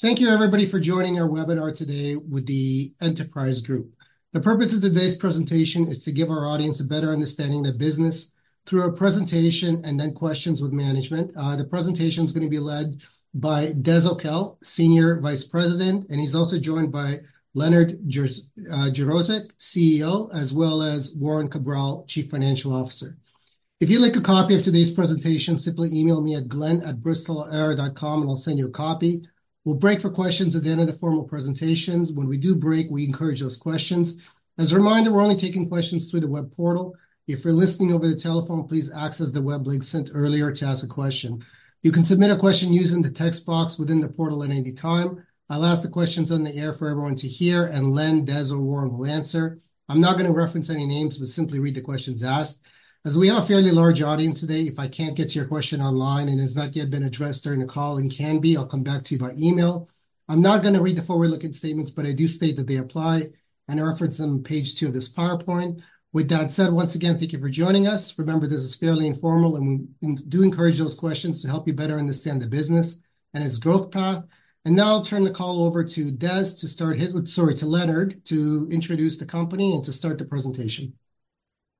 Thank you everybody for joining our webinar today with the Enterprise Group. The purpose of today's presentation is to give our audience a better understanding of the business through our presentation, and then questions with management. The presentation's gonna be led by Des O'Kell, Senior Vice President, and he's also joined by Leonard Jaroszuk, CEO, as well as Warren Cabral, Chief Financial Officer. If you'd like a copy of today's presentation, simply email me at glen@bristolir.com and I'll send you a copy. We'll break for questions at the end of the formal presentations. When we do break, we encourage those questions. As a reminder, we're only taking questions through the web portal. If you're listening over the telephone, please access the web link sent earlier to ask a question. You can submit a question using the text box within the portal at any time. I'll ask the questions on the air for everyone to hear, and Len, Des, or Warren will answer. I'm not going to reference any names, but simply read the questions asked. As we have a fairly large audience today, if I can't get to your question online and it's not yet been addressed during the call and can be, I'll come back to you by email. I'm not going to read the forward-looking statements, but I do state that they apply, and I reference them on page two of this PowerPoint. With that said, once again, thank you for joining us. Remember, this is fairly informal, and we do encourage those questions to help you better understand the business and its growth path. And now I'll turn the call over to Des to start his- sorry, to Leonard, to introduce the company and to start the presentation.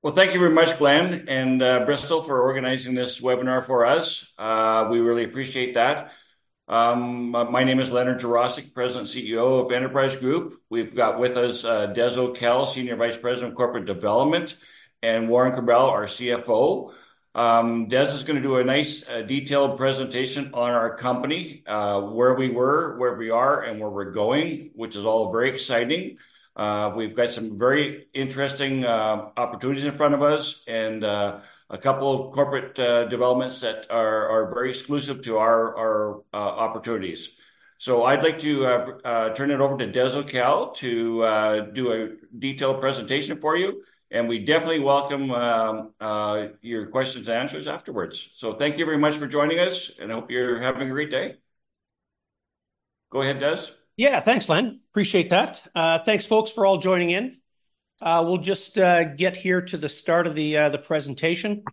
Well, thank you very much, Glen and Bristol, for organizing this webinar for us. We really appreciate that. My name is Leonard Jaroszuk, President and CEO of Enterprise Group. We've got with us, Des O'Kell, Senior Vice President of Corporate Development, and Warren Cabral, our CFO. Des is going to do a nice, detailed presentation on our company, where we were, where we are, and where we're going, which is all very exciting. We've got some very interesting, opportunities in front of us and, a couple of corporate, developments that are very exclusive to our opportunities. So I'd like to turn it over to Des O'Kell to do a detailed presentation for you, and we definitely welcome your questions and answers afterwards. Thank you very much for joining us, and I hope you're having a great day. Go ahead, Des. Yeah, thanks, Len. Appreciate that. Thanks, folks, for all joining in. We'll just get here to the start of the presentation.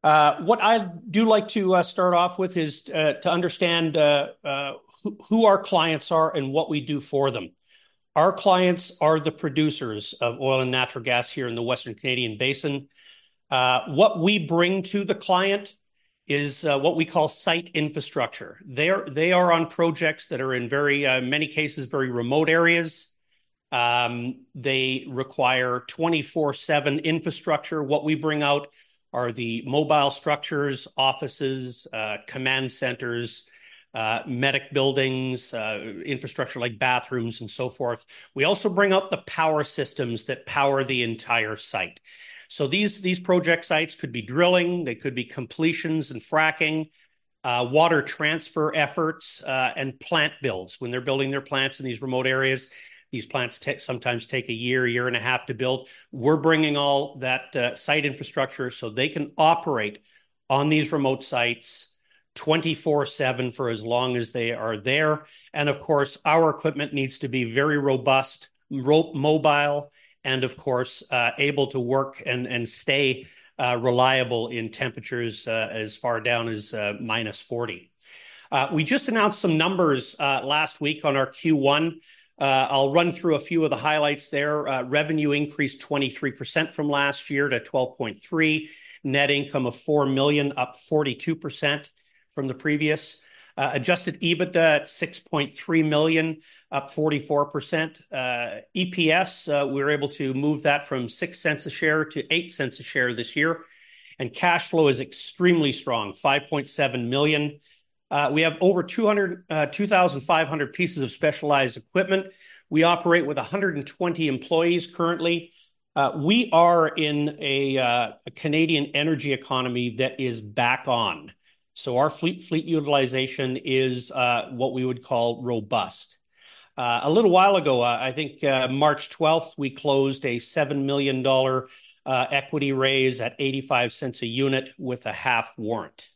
What I'd like to start off with is to understand who our clients are and what we do for them. Our clients are the producers of oil and natural gas here in the Western Canadian Basin. What we bring to the client is what we call site infrastructure. They are on projects that are in very many cases very remote areas. They require 24/7 infrastructure. What we bring out are the mobile structures, offices, command centers, medic buildings, infrastructure like bathrooms, and so forth. We also bring out the power systems that power the entire site. So these, these project sites could be drilling, they could be completions and fracking, water transfer efforts, and plant builds. When they're building their plants in these remote areas, these plants sometimes take a year, year and a half to build. We're bringing all that, site infrastructure so they can operate on these remote sites 24/7 for as long as they are there. And of course, our equipment needs to be very robust, mobile, and of course, able to work and, and stay, reliable in temperatures, as far down as, -40. We just announced some numbers last week on our Q1. I'll run through a few of the highlights there. Revenue increased 23% from last year to 12.3 million. Net income of 4 million, up 42% from the previous. Adjusted EBITDA at 6.3 million, up 44%. EPS, we were able to move that from 0.06 a share to 0.08 a share this year. Cash flow is extremely strong, 5.7 million. We have over 2,500 pieces of specialized equipment. We operate with 120 employees currently. We are in a Canadian energy economy that is back on, so our fleet utilization is what we would call robust. A little while ago, I think, March 12th, we closed a 7 million dollar equity raise at 0.85 a unit with a half warrant.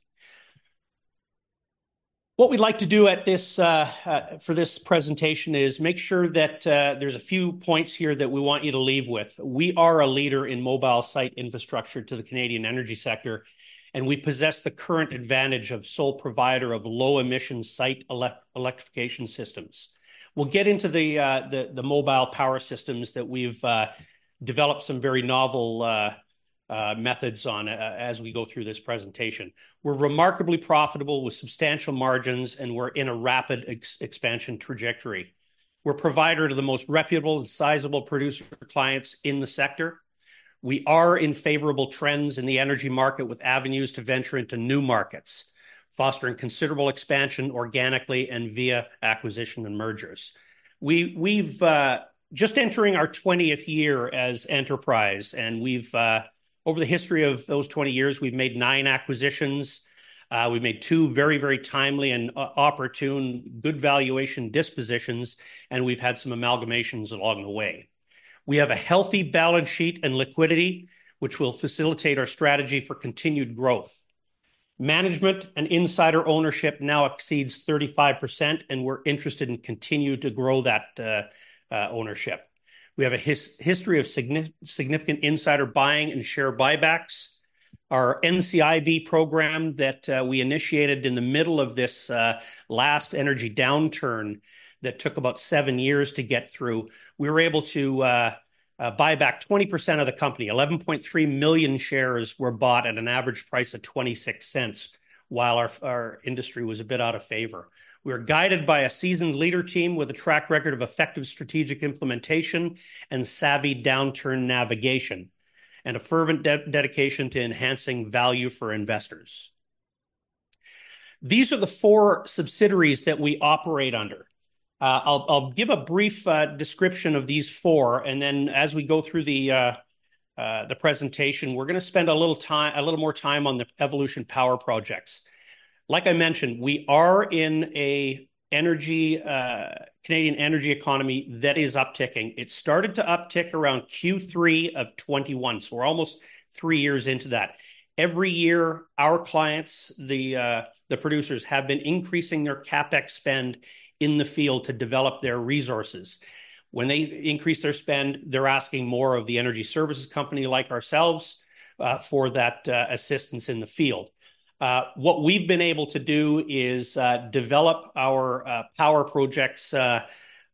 What we'd like to do at this for this presentation is make sure that there's a few points here that we want you to leave with. We are a leader in mobile site infrastructure to the Canadian energy sector, and we possess the current advantage of sole provider of low-emission site electrification systems. We'll get into the mobile power systems that we've developed some very novel methods on as we go through this presentation. We're remarkably profitable with substantial margins, and we're in a rapid expansion trajectory. We're provider to the most reputable and sizable producer clients in the sector. We are in favorable trends in the energy market, with avenues to venture into new markets, fostering considerable expansion organically and via acquisition and mergers. We've just entering our 20th year as Enterprise, and we've over the history of those 20 years, we've made nine acquisitions. We've made two very, very timely and opportune, good valuation dispositions, and we've had some amalgamations along the way. We have a healthy balance sheet and liquidity, which will facilitate our strategy for continued growth. Management and insider ownership now exceeds 35%, and we're interested in continuing to grow that ownership. We have a history of significant insider buying and share buybacks. Our NCIB program that we initiated in the middle of this last energy downturn, that took about seven years to get through, we were able to buy back 20% of the company, 11.3 million shares were bought at an average price of 0.26, while our industry was a bit out of favor. We are guided by a seasoned leadership team with a track record of effective strategic implementation and savvy downturn navigation, and a fervent dedication to enhancing value for investors. These are the four subsidiaries that we operate under. I'll give a brief description of these four, and then as we go through the presentation, we're gonna spend a little more time on the Evolution Power Projects. Like I mentioned, we are in an energy Canadian energy economy that is upticking. It started to uptick around Q3 of 2021, so we're almost three years into that. Every year, our clients, the producers, have been increasing their CapEx spend in the field to develop their resources. When they increase their spend, they're asking more of the energy services company, like ourselves, for that assistance in the field. What we've been able to do is develop our Power Projects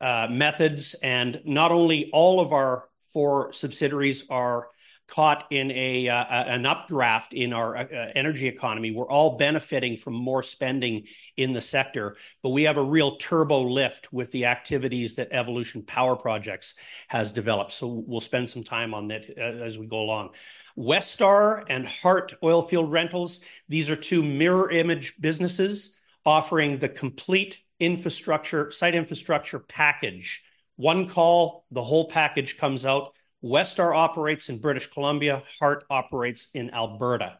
methods, and not only all of our four subsidiaries are caught in an updraft in our energy economy. We're all benefiting from more spending in the sector, but we have a real turbo lift with the activities that Evolution Power Projects has developed, so we'll spend some time on that as we go along. Westar Oilfield Rentals and Hart Oilfield Rentals, these are two mirror image businesses offering the complete infrastructure site infrastructure package. One call, the whole package comes out. Westar Oilfield Rentals operates in British Columbia, Hart Oilfield Rentals operates in Alberta.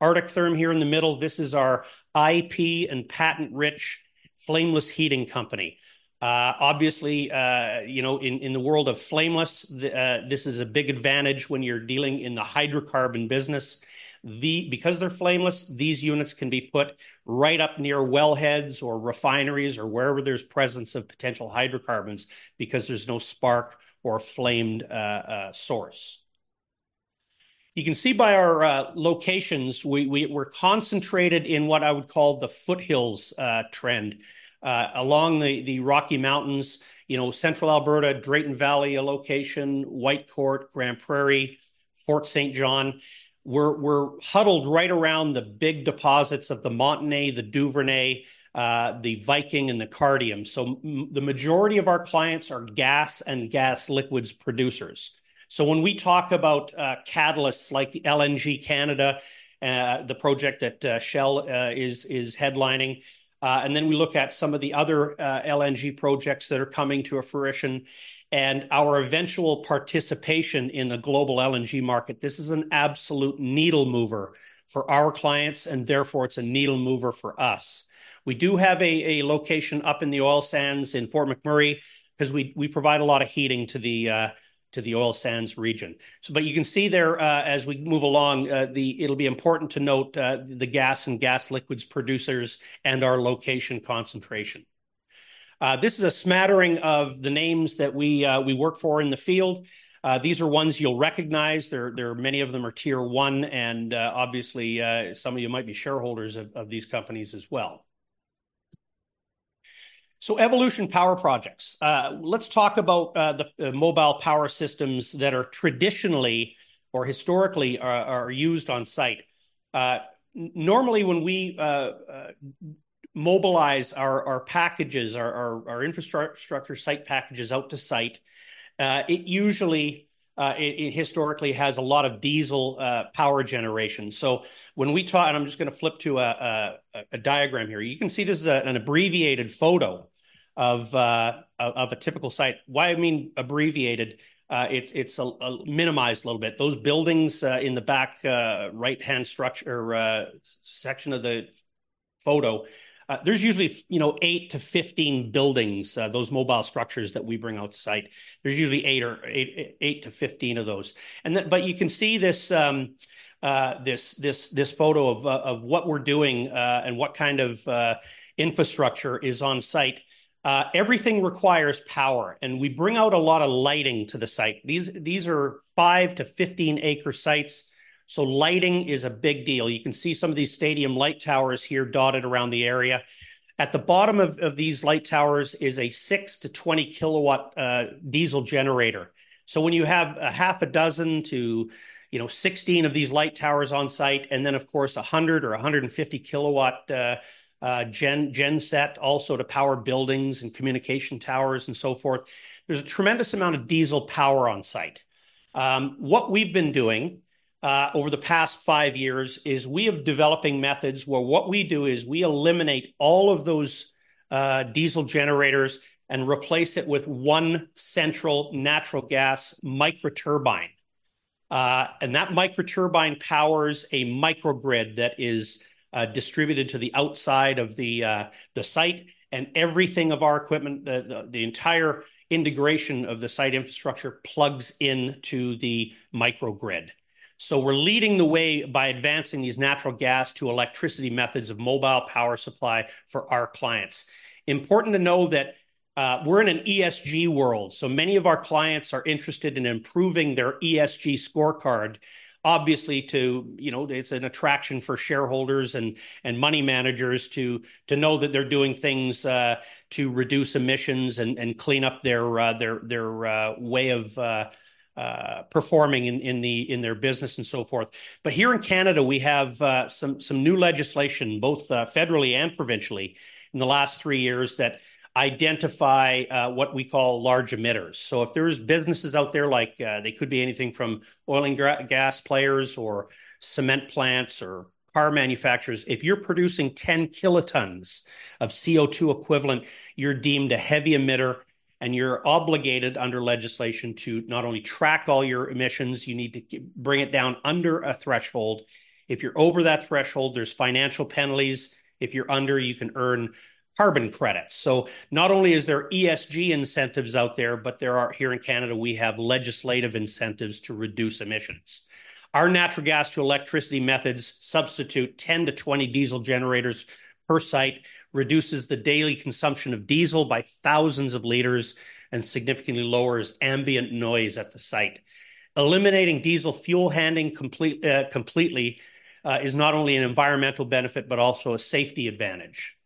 Artic Therm, here in the middle, this is our IP and patent-rich flameless heating company. Obviously, you know, in the world of flameless, this is a big advantage when you're dealing in the hydrocarbon business. Because they're flameless, these units can be put right up near wellheads or refineries or wherever there's presence of potential hydrocarbons, because there's no spark or flame source. You can see by our locations, we're concentrated in what I would call the foothills trend along the Rocky Mountains. You know, Central Alberta, Drayton Valley, a location, Whitecourt, Grande Prairie, Fort St. John. We're huddled right around the big deposits of the Montney, the Duvernay, the Viking and the Cardium. So the majority of our clients are gas and gas liquids producers. So when we talk about catalysts like LNG Canada, the project that Shell is headlining, and then we look at some of the other LNG projects that are coming to a fruition, and our eventual participation in the global LNG market, this is an absolute needle mover for our clients, and therefore, it's a needle mover for us. We do have a location up in the oil sands in Fort McMurray, 'cause we provide a lot of heating to the oil sands region. So but you can see there, as we move along, it'll be important to note the gas and gas liquids producers and our location concentration. This is a smattering of the names that we work for in the field. These are ones you'll recognize. There are many of them are Tier 1, and obviously some of you might be shareholders of these companies as well. So Evolution Power Projects. Let's talk about the mobile power systems that are traditionally or historically are used on site. Normally, when we mobilize our infrastructure site packages out to site, it usually it historically has a lot of diesel power generation. So when we talk. And I'm just gonna flip to a diagram here. You can see this is an abbreviated photo of a typical site. Why I mean abbreviated, it's minimized a little bit. Those buildings in the back, right-hand structure section of the photo, there's usually you know, 8-15 buildings, those mobile structures that we bring out to site. There's usually 8 or 8, 8-15 of those. But you can see this, this, this photo of of what we're doing, and what kind of infrastructure is on site. Everything requires power, and we bring out a lot of lighting to the site. These, these are 5-15-acre sites, so lighting is a big deal. You can see some of these stadium light towers here dotted around the area. At the bottom of of these light towers is a 6-20-kilowatt diesel generator. So when you have six to, you know, 16 of these light towers on site, and then, of course, 100-kilowatt or 150-kilowatt genset also to power buildings and communication towers and so forth, there's a tremendous amount of diesel power on site. What we've been doing over the past five years is we have developing methods where what we do is we eliminate all of those diesel generators and replace it with one central natural gas microturbine. And that microturbine powers a microgrid that is distributed to the outside of the site, and everything of our equipment, the entire integration of the site infrastructure plugs into the microgrid. So we're leading the way by advancing these natural gas to electricity methods of mobile power supply for our clients. Important to know that-... We're in an ESG world, so many of our clients are interested in improving their ESG scorecard. Obviously, you know, it's an attraction for shareholders and money managers to know that they're doing things to reduce emissions and clean up their way of performing in their business, and so forth. But here in Canada, we have some new legislation, both federally and provincially, in the last three years, that identify what we call large emitters. So if there's businesses out there, like, they could be anything from oil and gas players or cement plants or car manufacturers, if you're producing 10 kt of CO2 equivalent, you're deemed a heavy emitter, and you're obligated under legislation to not only track all your emissions, you need to bring it down under a threshold. If you're over that threshold, there's financial penalties. If you're under, you can earn carbon credits. So not only is there ESG incentives out there, but there are legislative incentives to reduce emissions here in Canada. Our natural gas to electricity methods substitute 10-20 diesel generators per site, reduces the daily consumption of diesel by thousands of liters, and significantly lowers ambient noise at the site. Eliminating diesel fuel handling completely is not only an environmental benefit, but also a safety advantage.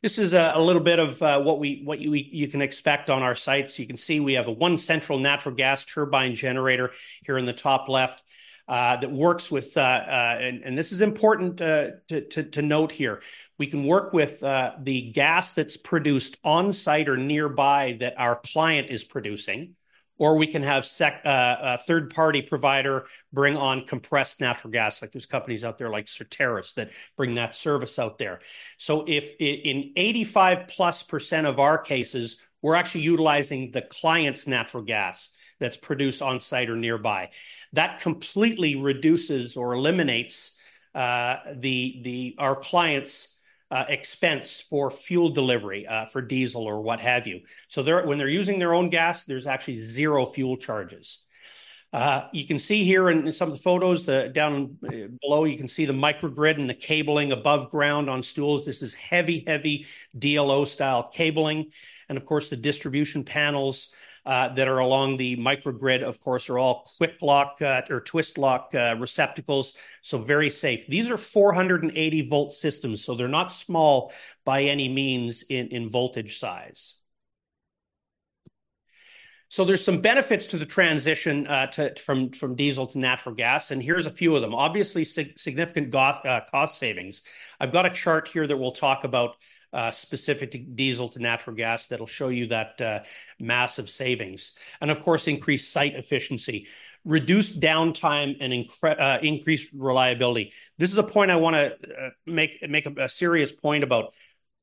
This is a little bit of what we, what you, you can expect on our sites. You can see we have a one central natural gas turbine generator here in the top left that works with. And this is important to note here. We can work with the gas that's produced on-site or nearby that our client is producing, or we can have a third-party provider bring on compressed natural gas, like there's companies out there like Certarus that bring that service out there. So if in 85%+ of our cases, we're actually utilizing the client's natural gas that's produced on-site or nearby. That completely reduces or eliminates our client's expense for fuel delivery for diesel or what have you. So they're, when they're using their own gas, there's actually zero fuel charges. You can see here in some of the photos, down below, you can see the microgrid and the cabling above ground on stools. This is heavy, heavy DLO-style cabling, and of course, the distribution panels that are along the microgrid, of course, are all quick lock or twist lock receptacles, so very safe. These are 480-volt systems, so they're not small by any means in voltage size. So there's some benefits to the transition to from diesel to natural gas, and here's a few of them. Obviously, significant cost savings. I've got a chart here that will talk about specific to diesel to natural gas that'll show you that massive savings, and of course, increased site efficiency, reduced downtime, and increased reliability. This is a point I wanna make a serious point about.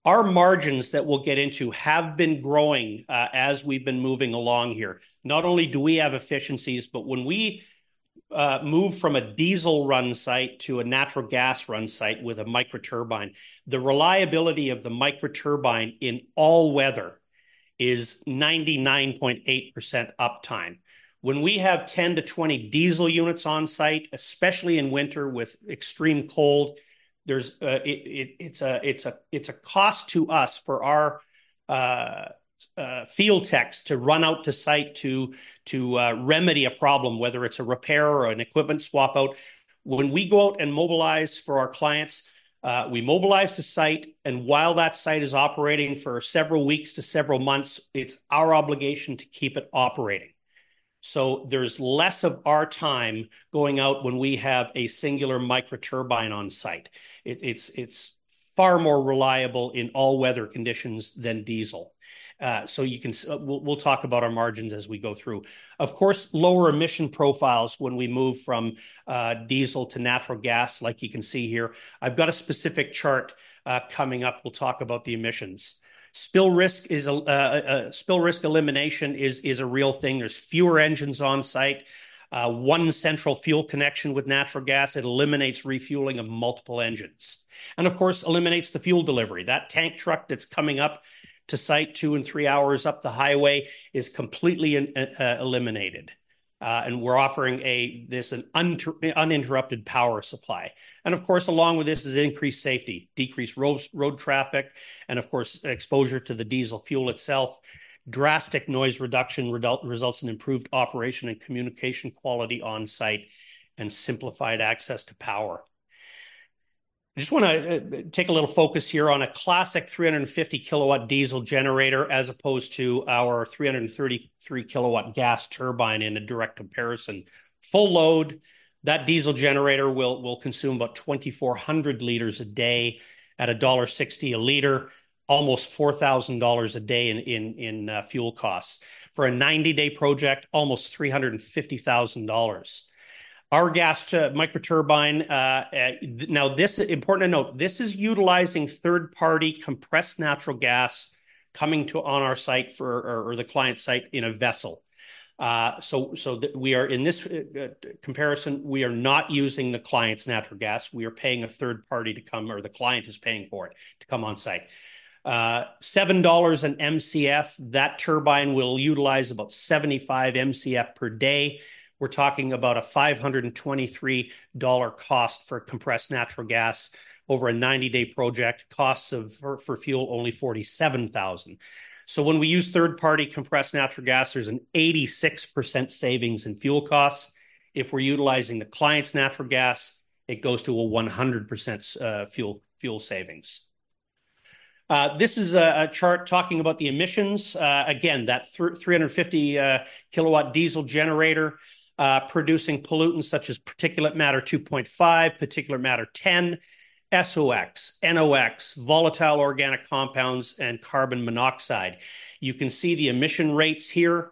Our margins that we'll get into have been growing as we've been moving along here. Not only do we have efficiencies, but when we move from a diesel-run site to a natural gas-run site with a microturbine, the reliability of the microturbine in all weather is 99.8% uptime. When we have 10-20 diesel units on-site, especially in winter with extreme cold, there's a cost to us for our field techs to run out to site to remedy a problem, whether it's a repair or an equipment swap-out. When we go out and mobilize for our clients, we mobilize the site, and while that site is operating for several weeks to several months, it's our obligation to keep it operating. So there's less of our time going out when we have a singular microturbine on-site. It's far more reliable in all weather conditions than diesel. So we'll talk about our margins as we go through. Of course, lower emission profiles when we move from diesel to natural gas, like you can see here. I've got a specific chart coming up. We'll talk about the emissions. Spill risk elimination is a real thing. There's fewer engines on-site. One central fuel connection with natural gas, it eliminates refueling of multiple engines, and of course, eliminates the fuel delivery. That tank truck that's coming up to site two and three hours up the highway is completely eliminated. We're offering an uninterrupted power supply. Of course, along with this is increased safety, decreased road traffic, and of course, exposure to the diesel fuel itself. Drastic noise reduction results in improved operation and communication quality on-site and simplified access to power. I just wanna take a little focus here on a classic 350 kW diesel generator, as opposed to our 333 kW gas turbine in a direct comparison. Full load, that diesel generator will consume about 2,400 L a day at dollar 1.60 a liter, almost 4,000 dollars a day in fuel costs. For a 90-day project, almost 350,000 dollars. Our gas-to-microturbine, now, this is important to note, this is utilizing third-party compressed natural gas coming on our site or the client site in a vessel. So we are, in this comparison, we are not using the client's natural gas. We are paying a third party to come, or the client is paying for it, to come on-site. $7 an MCF, that turbine will utilize about 75 MCF per day. We're talking about a 523 dollar cost for compressed natural gas over a 90-day project. Cost for fuel, only 47,000. So when we use third-party compressed natural gas, there's an 86% savings in fuel costs. If we're utilizing the client's natural gas, it goes to a 100% fuel savings. This is a chart talking about the emissions. Again, that 350-kilowatt diesel generator, producing pollutants such as particulate matter 2.5, particulate matter 10, SOx, NOx, volatile organic compounds, and carbon monoxide. You can see the emission rates here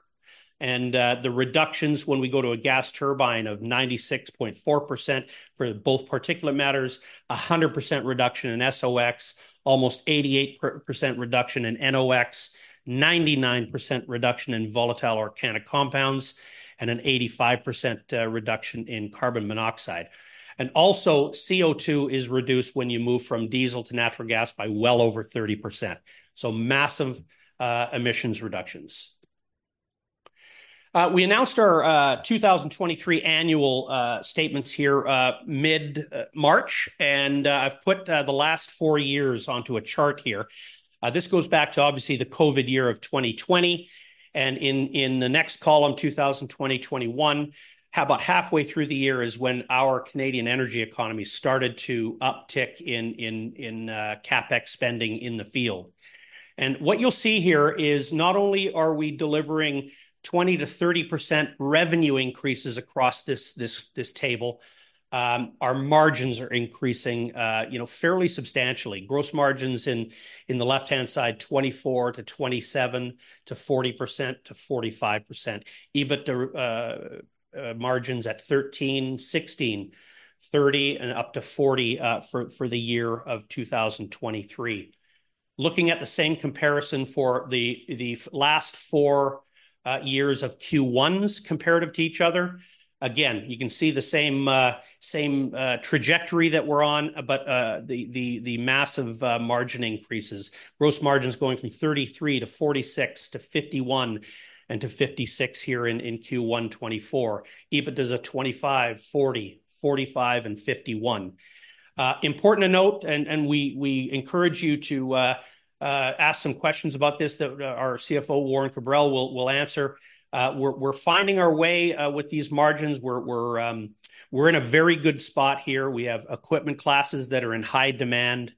and the reductions when we go to a gas turbine of 96.4% for both particulate matters, 100% reduction in SOx, almost 88% reduction in NOx, 99% reduction in volatile organic compounds, and an 85% reduction in carbon monoxide. And also, CO2 is reduced when you move from diesel to natural gas by well over 30%. So massive emissions reductions. We announced our 2023 annual statements here mid-March, and I've put the last four years onto a chart here. This goes back to obviously the COVID year of 2020, and in the next column, 2020, 2021, about halfway through the year is when our Canadian energy economy started to uptick in CapEx spending in the field. And what you'll see here is not only are we delivering 20%-30% revenue increases across this table, our margins are increasing, you know, fairly substantially. Gross margins on the left-hand side, 24%-27% to 40%-45%. EBITDA margins at 13%, 16%, 30%, and up to 40%, for the year of 2023. Looking at the same comparison for the last four years of Q1s comparative to each other, again, you can see the same trajectory that we're on, but the massive margin increases. Gross margins going from 33% to 46%, to 51%, and to 56% here in Q1 2024. EBITDAs are 25%, 40%, 45%, and 51%. Important to note, and we encourage you to ask some questions about this, that our CFO, Warren Cabral, will answer. We're finding our way with these margins. We're in a very good spot here. We have equipment classes that are in high demand,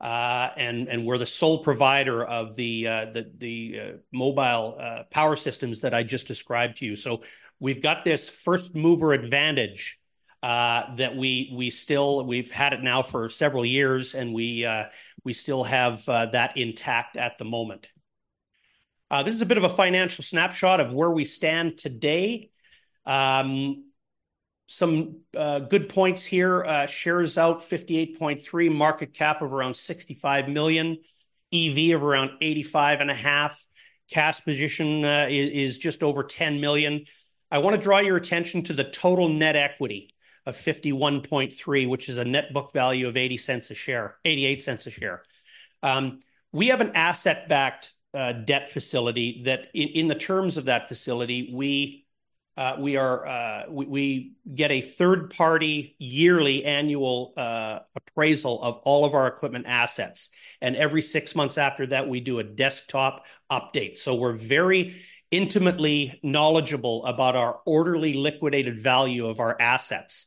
and we're the sole provider of the mobile power systems that I just described to you. So we've got this first mover advantage that we still have. We've had it now for several years, and we still have that intact at the moment. This is a bit of a financial snapshot of where we stand today. Some good points here. Shares out, 58.3 million, market cap of around 65 million, EV of around 85.5 million. Cash position is just over 10 million. I want to draw your attention to the total net equity of 51.3 million, which is a net book value of 0.80 a share - CAD 0.88 a share. We have an asset-backed debt facility that in the terms of that facility, we are... We get a third-party yearly annual appraisal of all of our equipment assets, and every six months after that, we do a desktop update. So we're very intimately knowledgeable about our orderly liquidated value of our assets.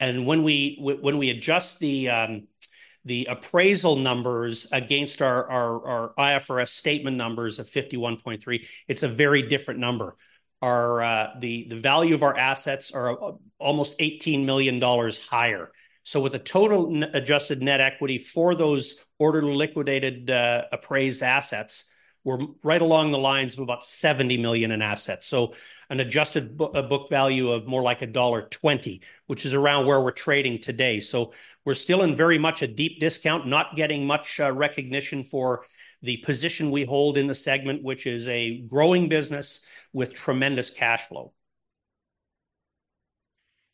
And when we adjust the appraisal numbers against our IFRS statement numbers of 51.3 million, it's a very different number. The value of our assets are almost 18 million dollars higher. So with a total adjusted net equity for those orderly liquidated appraised assets, we're right along the lines of about 70 million in assets. So an adjusted book value of more like dollar 1.20, which is around where we're trading today. So we're still in very much a deep discount, not getting much, recognition for the position we hold in the segment, which is a growing business with tremendous cash flow.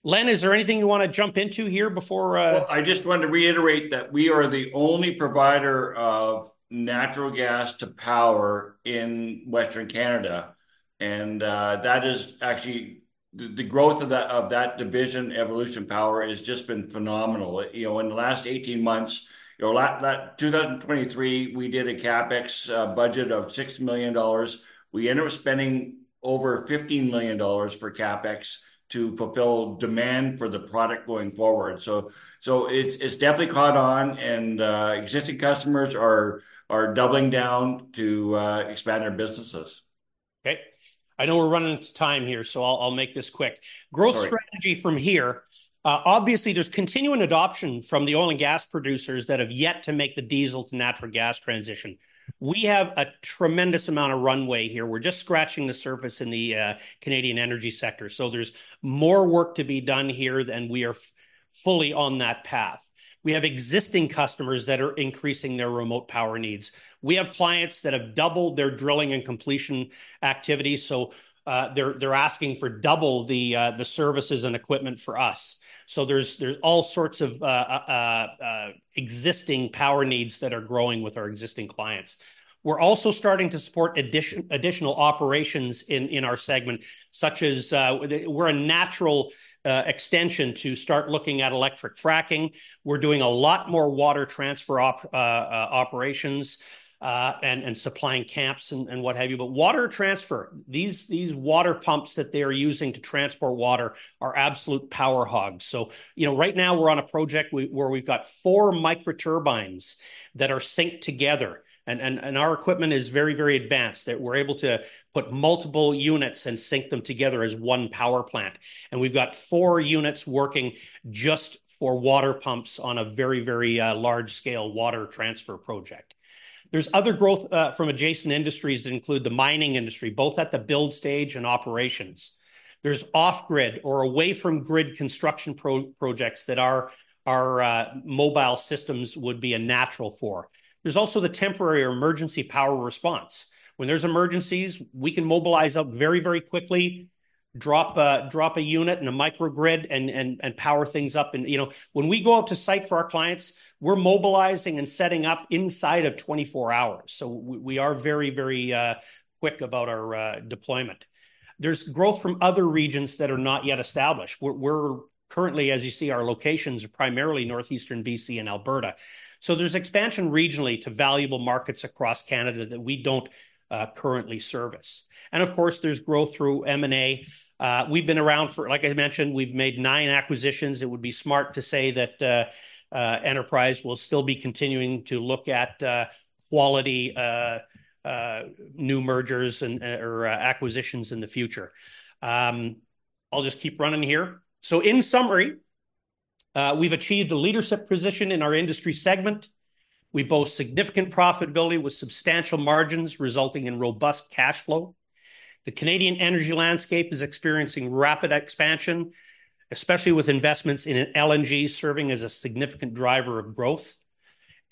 Len, is there anything you want to jump into here before, Well, I just wanted to reiterate that we are the only provider of natural gas to power in Western Canada, and that is actually the growth of that division, Evolution Power, has just been phenomenal. You know, in the last 18 months, you know, 2023, we did a CapEx budget of 6 million dollars. We ended up spending over 15 million dollars for CapEx to fulfill demand for the product going forward. So it's definitely caught on, and existing customers are doubling down to expand their businesses. Okay. I know we're running out of time here, so I'll make this quick. Sorry. Growth strategy from here, obviously there's continuing adoption from the oil and gas producers that have yet to make the diesel to natural gas transition. We have a tremendous amount of runway here. We're just scratching the surface in the Canadian energy sector, so there's more work to be done here, and we are fully on that path. We have existing customers that are increasing their remote power needs. We have clients that have doubled their drilling and completion activities, so they're asking for double the services and equipment for us. So there are all sorts of existing power needs that are growing with our existing clients. We're also starting to support additional operations in our segment, such as we're a natural extension to start looking at electric fracking. We're doing a lot more water transfer operations and supplying camps and what have you. But water transfer, these water pumps that they're using to transport water are absolute power hogs. So, you know, right now we're on a project where we've got four microturbines that are synced together, and our equipment is very advanced that we're able to put multiple units and sync them together as one power plant. And we've got four units working just for water pumps on a very large-scale water transfer project. There's other growth from adjacent industries that include the mining industry, both at the build stage and operations. There's off-grid or away-from-grid construction projects that our mobile systems would be a natural for. There's also the temporary or emergency power response. When there's emergencies, we can mobilize up very, very quickly, drop a unit and a microgrid, and power things up. And, you know, when we go out to site for our clients, we're mobilizing and setting up inside of 24 hours. So we are very, very quick about our deployment. There's growth from other regions that are not yet established. We're currently, as you see, our locations are primarily northeastern BC and Alberta, so there's expansion regionally to valuable markets across Canada that we don't currently service. And of course, there's growth through M&A. We've been around for, like I mentioned, we've made 9 acquisitions. It would be smart to say that Enterprise will still be continuing to look at quality new mergers and or acquisitions in the future. I'll just keep running here. So in summary, we've achieved a leadership position in our industry segment. We boast significant profitability with substantial margins, resulting in robust cash flow. The Canadian energy landscape is experiencing rapid expansion, especially with investments in LNG, serving as a significant driver of growth.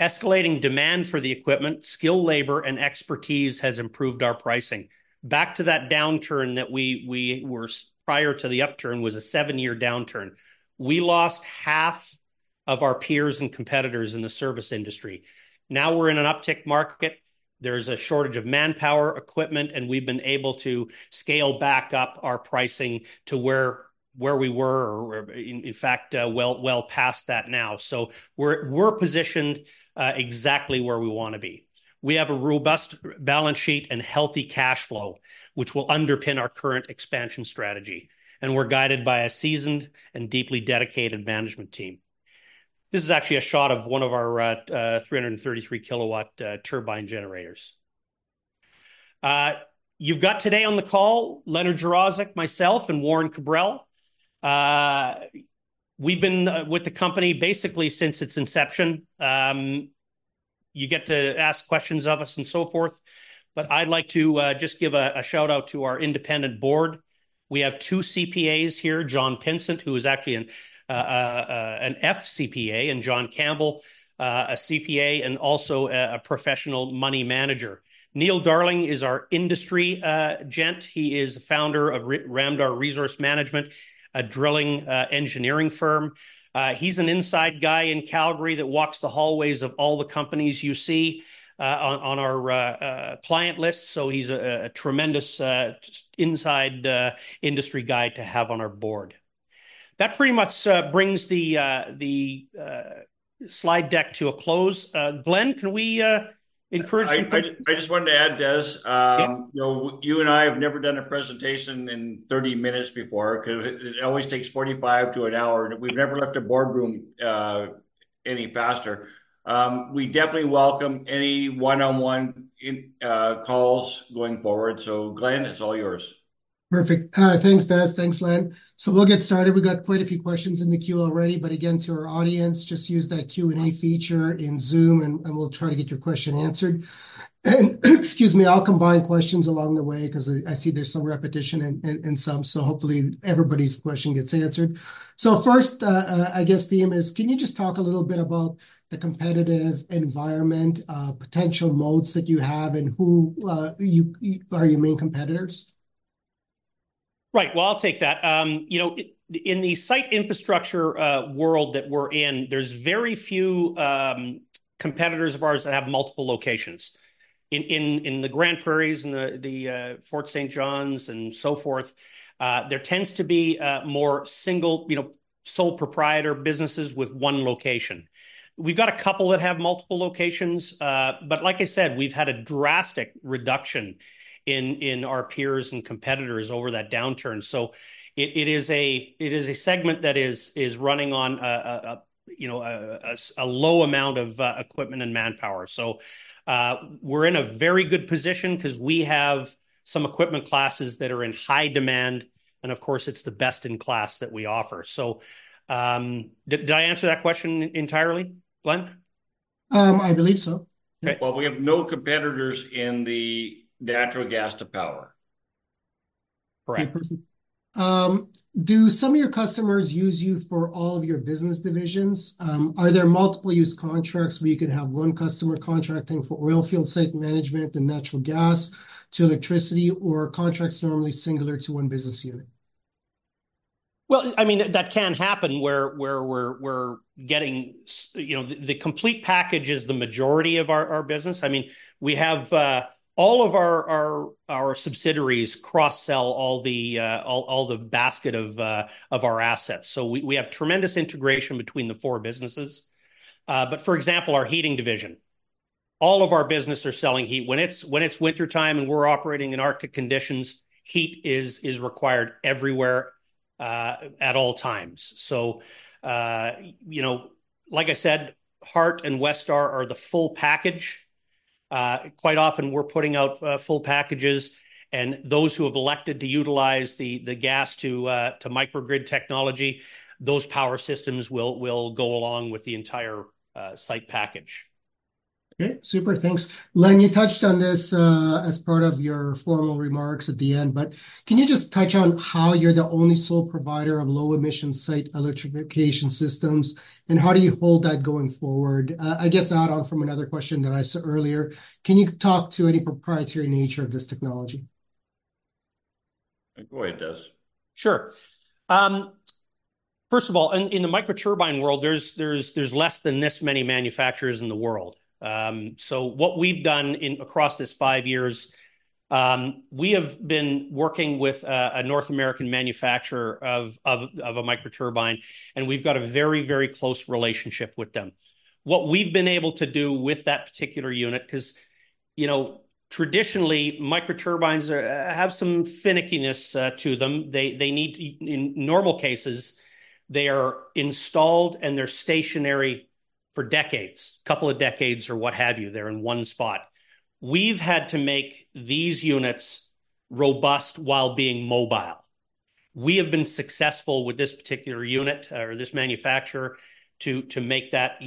Escalating demand for the equipment, skilled labor, and expertise has improved our pricing. Back to that downturn that we were prior to the upturn, was a seven-year downturn. We lost half of our peers and competitors in the service industry. Now we're in an uptick market. There's a shortage of manpower, equipment, and we've been able to scale back up our pricing to where we were, or in fact, well past that now. So we're positioned exactly where we want to be. We have a robust balance sheet and healthy cash flow, which will underpin our current expansion strategy, and we're guided by a seasoned and deeply dedicated management team. This is actually a shot of one of our 333 kW turbine generators. You've got today on the call Leonard Jaroszuk, myself, and Warren Cabral. We've been with the company basically since its inception. You get to ask questions of us, and so forth. But I'd like to just give a shout-out to our independent board. We have two CPAs here, John Pinsent, who is actually an FCPA, and John Campbell, a CPA and also a professional money manager. Neil Darling is our industry gent. He is the founder of Ramdar Resource Management, a drilling engineering firm. He's an inside guy in Calgary that walks the hallways of all the companies you see on our client list, so he's a tremendous inside industry guy to have on our board. That pretty much brings the slide deck to a close. Glen, can we encourage- I just wanted to add, Des- Yeah You know, you and I have never done a presentation in 30 minutes before, 'cause it always takes 45 minutes to an hour, and we've never left a boardroom any faster. We definitely welcome any one-on-one calls going forward. So Glen, it's all yours. Perfect. Thanks, Des. Thanks, Len. So we'll get started. We've got quite a few questions in the queue already, but again, to our audience, just use that Q&A feature in Zoom, and we'll try to get your question answered. Excuse me. I'll combine questions along the way, 'cause I see there's some repetition in some, so hopefully everybody's question gets answered. So first, I guess, theme is, can you just talk a little bit about the competitive environment, potential moats that you have, and who you are your main competitors? Right. Well, I'll take that. You know, in the site infrastructure world that we're in, there's very few competitors of ours that have multiple locations. In the Grande Prairie, and the Fort St. John, and so forth, there tends to be more single, you know, sole proprietor businesses with one location. We've got a couple that have multiple locations, but like I said, we've had a drastic reduction in our peers and competitors over that downturn. So it is a segment that is running on, you know, a low amount of equipment and manpower. So, we're in a very good position, 'cause we have some equipment classes that are in high demand, and of course, it's the best-in-class that we offer. So, did I answer that question entirely, Glen? I believe so. Yeah. Well, we have no competitors in the natural gas to power. Correct. Do some of your customers use you for all of your business divisions? Are there multiple-use contracts where you could have one customer contracting for oilfield site management and natural gas to electricity, or are contracts normally singular to one business unit? Well, I mean, that can happen, where we're getting you know, the complete package is the majority of our business. I mean, we have all of our subsidiaries cross-sell all the basket of our assets, so we have tremendous integration between the four businesses. But for example, our heating division all of our business are selling heat. When it's wintertime and we're operating in arctic conditions, heat is required everywhere at all times. So you know, like I said, HART and Westar are the full package. Quite often we're putting out full packages, and those who have elected to utilize the gas to microgrid technology, those power systems will go along with the entire site package. Okay, super. Thanks. Len, you touched on this as part of your formal remarks at the end, but can you just touch on how you're the only sole provider of low emission site electrification systems, and how do you hold that going forward? I guess add on from another question that I said earlier, can you talk to any proprietary nature of this technology? Go ahead, Des. Sure. First of all, in the microturbine world, there's less than this many manufacturers in the world. So what we've done across this five years, we have been working with a North American manufacturer of a microturbine, and we've got a very, very close relationship with them. What we've been able to do with that particular unit, 'cause, you know, traditionally, microturbines have some finickiness to them. They need in normal cases, they are installed, and they're stationary for decades, couple of decades or what have you. They're in one spot. We've had to make these units robust while being mobile. We have been successful with this particular unit, or this manufacturer, to make that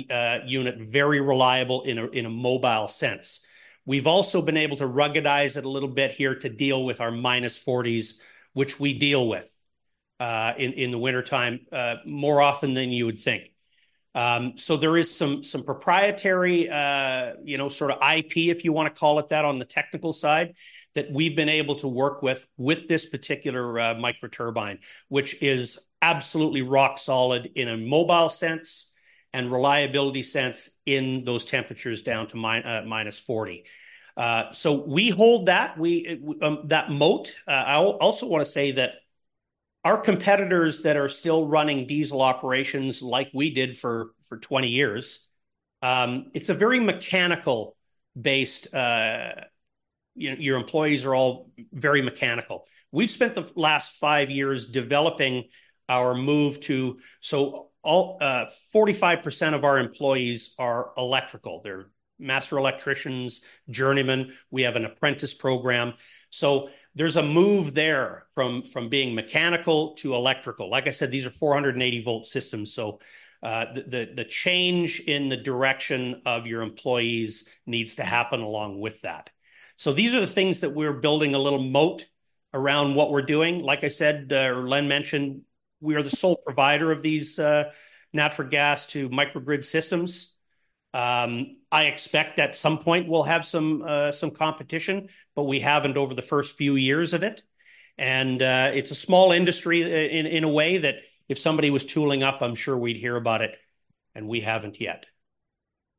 unit very reliable in a mobile sense. We've also been able to ruggedize it a little bit here to deal with our -40s, which we deal with in the wintertime more often than you would think. So there is some proprietary, you know, sort of IP, if you want to call it that, on the technical side, that we've been able to work with this particular microturbine, which is absolutely rock solid in a mobile sense and reliability sense in those temperatures down to -40. So we hold that moat. I also want to say that our competitors that are still running diesel operations like we did for 20 years, it's a very mechanical-based. Your employees are all very mechanical. We've spent the last five years developing our move to- so all, 45% of our employees are electrical. They're master electricians, journeymen. We have an apprentice program. So there's a move there from being mechanical to electrical. Like I said, these are 480-volt systems, so the change in the direction of your employees needs to happen along with that. So these are the things that we're building a little moat around what we're doing. Like I said, Len mentioned, we are the sole provider of these natural gas to microgrid systems. I expect at some point we'll have some competition, but we haven't over the first few years of it. And it's a small industry in a way that if somebody was tooling up, I'm sure we'd hear about it, and we haven't yet.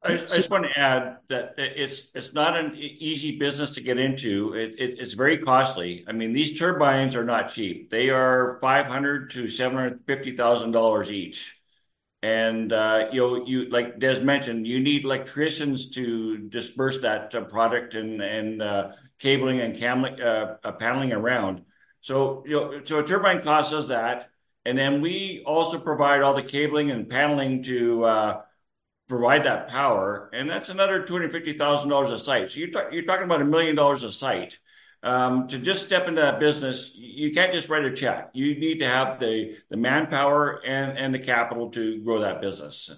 I just want to add that it's not an easy business to get into. It's very costly. I mean, these turbines are not cheap. They are 500,000-750,000 dollars each. And like Des mentioned, you need electricians to disperse that product and cabling and paneling around. So, you know, so turbine cost does that, and then we also provide all the cabling and paneling to provide that power, and that's another 250,000 dollars a site. So you're talking about 1 million dollars a site. To just step into that business, you can't just write a check. You need to have the manpower and the capital to grow that business.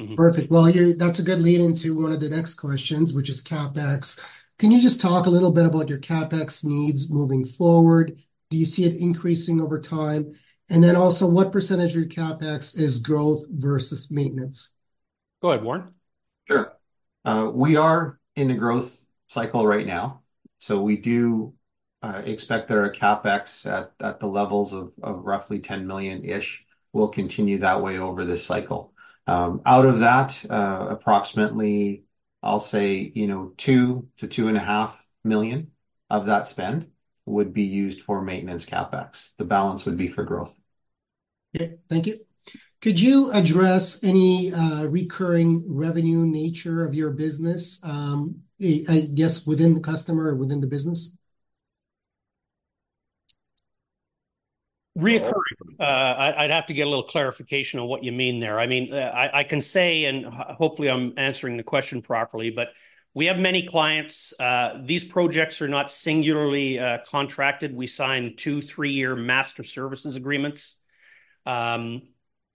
Mm-hmm. Perfect. Well, yeah, that's a good lead-in to one of the next questions, which is CapEx. Can you just talk a little bit about your CapEx needs moving forward? Do you see it increasing over time? And then also, what percentage of your CapEx is growth versus maintenance? Go ahead, Warren. Sure. We are in a growth cycle right now, so we do expect that our CapEx at the levels of roughly 10 million-ish will continue that way over this cycle. Out of that, approximately, I'll say, you know, 2 million-2.5 million of that spend would be used for maintenance CapEx. The balance would be for growth. Okay, thank you. Could you address any recurring revenue nature of your business, I guess, within the customer, within the business? Recurring, I'd have to get a little clarification on what you mean there. I mean, I can say, and hopefully I'm answering the question properly, but we have many clients. These projects are not singularly contracted. We sign 2-year and 3-year master services agreements,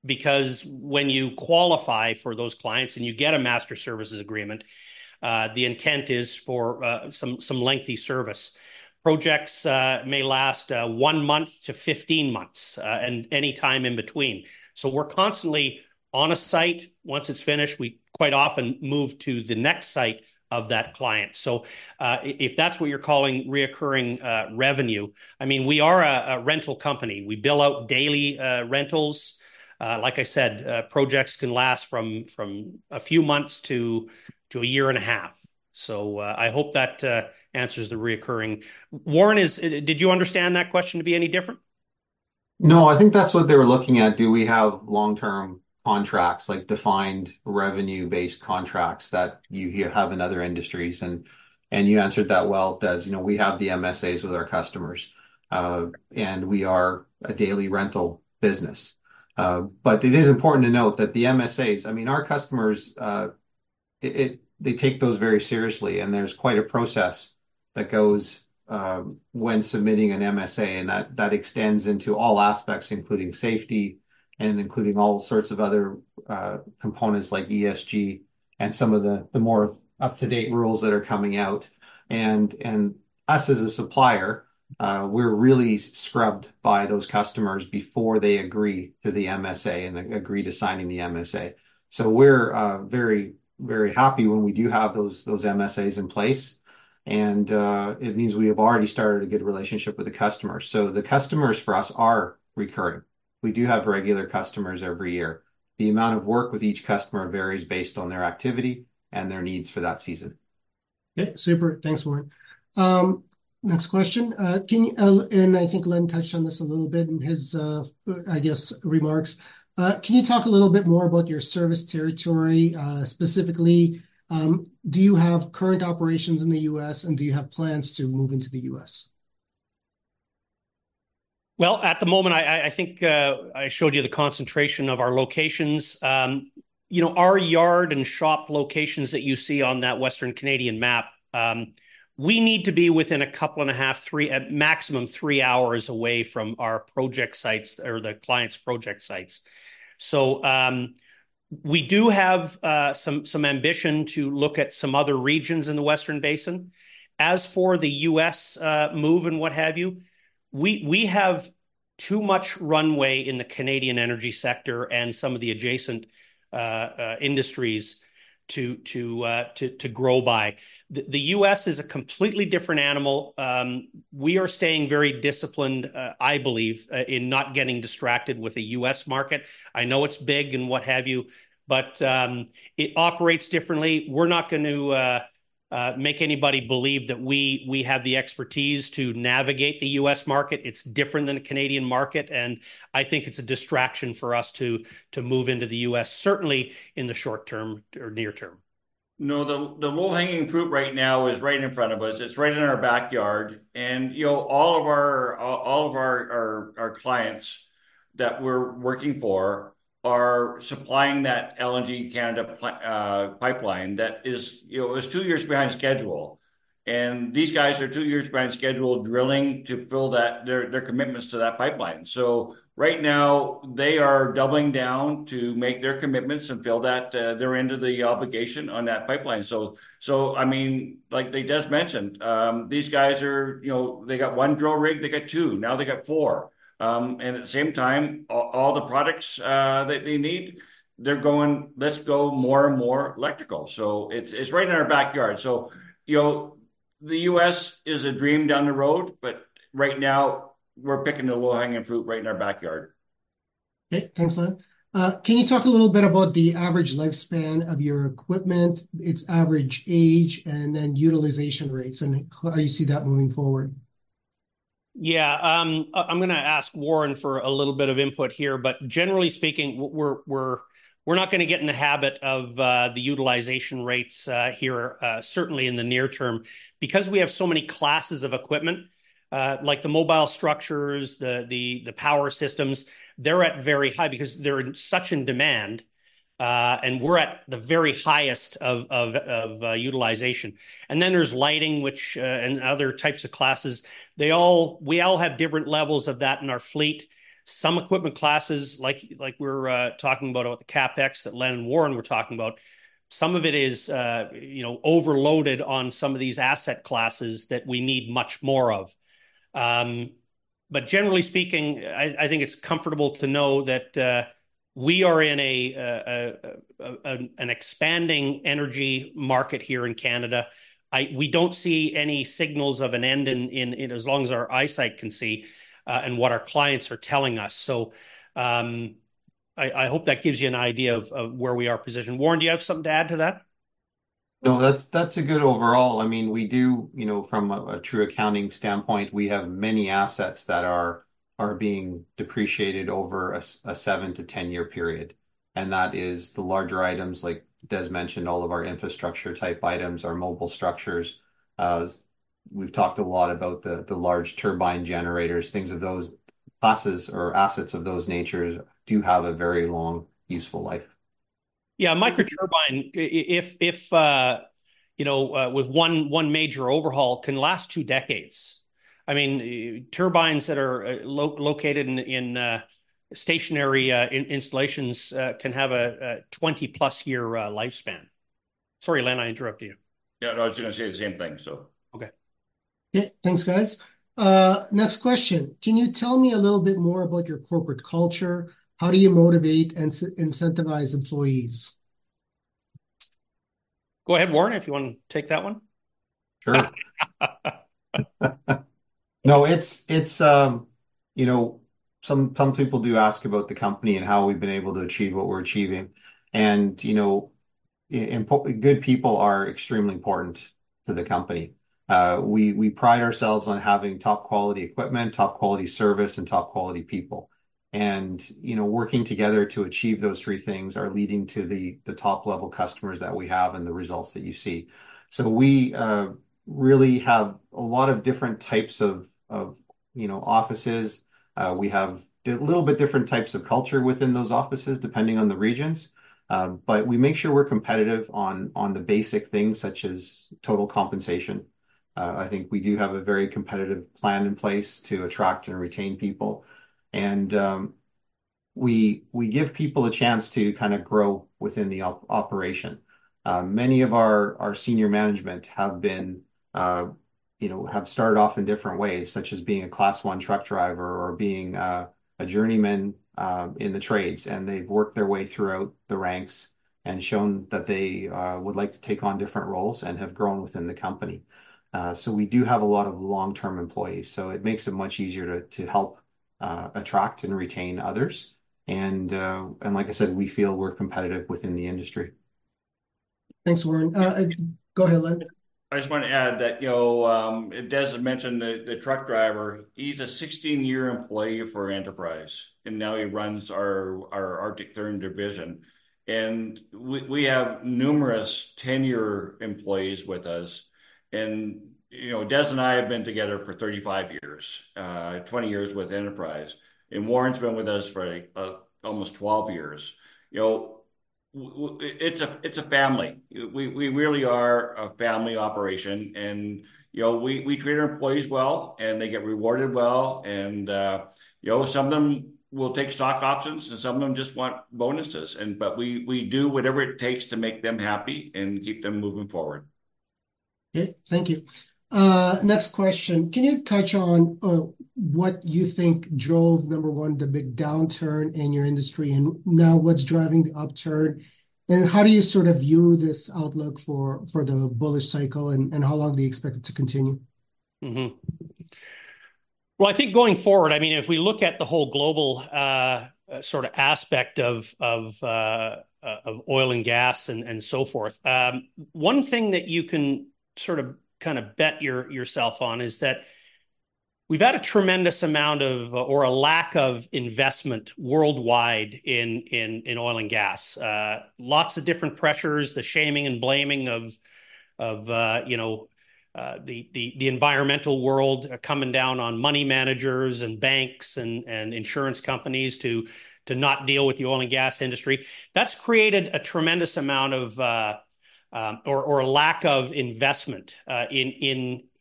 because when you qualify for those clients and you get a master services agreement, the intent is for some lengthy service. Projects may last 1 month to 15 months and any time in between. So we're constantly on a site. Once it's finished, we quite often move to the next site of that client. So, if that's what you're calling recurring revenue, I mean, we are a rental company. We bill out daily rentals. Like I said, projects can last from a few months to a year and a half. So, I hope that answers the recurring, Warren, is, did you understand that question to be any different? No, I think that's what they were looking at. Do we have long-term contracts, like defined revenue-based contracts that you hear have in other industries? You answered that well, Des, you know, we have the MSAs with our customers, and we are a daily rental business. But it is important to note that the MSAs, I mean, our customers, they take those very seriously, and there's quite a process that goes, when submitting an MSA, and that extends into all aspects, including safety and including all sorts of other components like ESG and some of the more up-to-date rules that are coming out. Us as a supplier, we're really scrubbed by those customers before they agree to the MSA and agree to signing the MSA. So we're very, very happy when we do have those MSAs in place, and it means we have already started a good relationship with the customer. So the customers for us are recurring. We do have regular customers every year. The amount of work with each customer varies based on their activity and their needs for that season. Okay, super. Thanks, Warren. Next question. I think Len touched on this a little bit in his, I guess, remarks. Can you talk a little bit more about your service territory? Specifically, do you have current operations in the U.S., and do you have plans to move into the U.S.? Well, at the moment, I think I showed you the concentration of our locations. You know, our yard and shop locations that you see on that Western Canadian map, we need to be within 2.5, 3, at maximum, 3 hours away from our project sites or the client's project sites. So, we do have some ambition to look at some other regions in the Western Basin. As for the U.S. move and what have you, we have too much runway in the Canadian energy sector and some of the adjacent industries to grow by. The U.S. is a completely different animal. We are staying very disciplined, I believe, in not getting distracted with the U.S. market. I know it's big and what have you, but it operates differently. We're not going to make anybody believe that we have the expertise to navigate the U.S. market. It's different than the Canadian market, and I think it's a distraction for us to move into the U.S., certainly in the short term or near term. No, the low-hanging fruit right now is right in front of us. It's right in our backyard, and, you know, all of our clients that we're working for are supplying that LNG Canada pipeline that is, you know, it's two years behind schedule, and these guys are two years behind schedule, drilling to fill their commitments to that pipeline. So right now, they are doubling down to make their commitments and fill their end of the obligation on that pipeline. So, I mean, like they just mentioned, these guys are you know, they got one drill rig, they got two, now they got four. And at the same time, all the products that they need, they're going, "let's go more and more electrical." So it's right in our backyard. You know, the U.S. is a dream down the road, but right now, we're picking the low-hanging fruit right in our backyard. Okay, thanks, Len. Can you talk a little bit about the average lifespan of your equipment, its average age, and then utilization rates, and how you see that moving forward? Yeah, I'm gonna ask Warren for a little bit of input here, but generally speaking, we're not gonna get in the habit of the utilization rates here certainly in the near term. Because we have so many classes of equipment, like the mobile structures, the power systems, they're at very high because they're in such demand, and we're at the very highest of utilization. And then there's lighting, which and other types of classes, we all have different levels of that in our fleet. Some equipment classes, like we're talking about the CapEx that Len and Warren were talking about, some of it is, you know, overloaded on some of these asset classes that we need much more of. But generally speaking, I think it's comfortable to know that we are in an expanding energy market here in Canada. We don't see any signals of an end in sight as long as our eyesight can see, and what our clients are telling us. So, I hope that gives you an idea of where we are positioned. Warren, do you have something to add to that? No, that's, that's a good overall. I mean, we do, you know, from a true accounting standpoint, we have many assets that are being depreciated over a 7-10-year period, and that is the larger items, like Des mentioned, all of our infrastructure-type items, our mobile structures. We've talked a lot about the large turbine generators, things of those classes or assets of those natures do have a very long, useful life. Yeah, microturbine, if, you know, with one major overhaul, can last 2 decades. I mean, turbines that are located in stationary installations can have a 20+ year lifespan. Sorry, Len, I interrupted you. Yeah, no, I was gonna say the same thing, so. Okay. Yeah. Thanks, guys. Next question: Can you tell me a little bit more about your corporate culture? How do you motivate and incentivize employees? Go ahead, Warren, if you want to take that one. Sure. No, it's. You know, some people do ask about the company and how we've been able to achieve what we're achieving, and, you know. Good people are extremely important to the company. We pride ourselves on having top-quality equipment, top-quality service, and top-quality people. And, you know, working together to achieve those three things are leading to the top-level customers that we have and the results that you see. So we really have a lot of different types of offices. We have a little bit different types of culture within those offices, depending on the regions. But we make sure we're competitive on the basic things, such as total compensation. I think we do have a very competitive plan in place to attract and retain people, and we give people a chance to kind of grow within the operation. Many of our senior management have been, you know, have started off in different ways, such as being a Class 1 truck driver or being a journeyman in the trades, and they've worked their way throughout the ranks and shown that they would like to take on different roles, and have grown within the company. So we do have a lot of long-term employees, so it makes it much easier to help attract and retain others. And like I said, we feel we're competitive within the industry. Thanks, Warren. Go ahead, Len. I just want to add that, you know, Des mentioned the truck driver. He's a 16-year employee for Enterprise, and now he runs our Arctic Therm division. We have numerous tenured employees with us. You know, Des and I have been together for 35 years, 20 years with Enterprise, and Warren's been with us for almost 12 years. You know, it's a family. We really are a family operation and, you know, we treat our employees well, and they get rewarded well. You know, some of them will take stock options, and some of them just want bonuses, but we do whatever it takes to make them happy and keep them moving forward. Okay, thank you. Next question: Can you touch on what you think drove, number one, the big downturn in your industry, and now what's driving the upturn? And how do you sort of view this outlook for the bullish cycle, and how long do you expect it to continue? Mm-hmm. Well, I think going forward, I mean, if we look at the whole global, sort of aspect of oil and gas and so forth, one thing that you can sort of, kind of bet yourself on is that we've had a tremendous amount of, or a lack of investment worldwide in oil and gas. Lots of different pressures, the shaming and blaming of, you know, the environmental world coming down on money managers, and banks, and insurance companies to not deal with the oil and gas industry. That's created a tremendous amount of, or a lack of investment,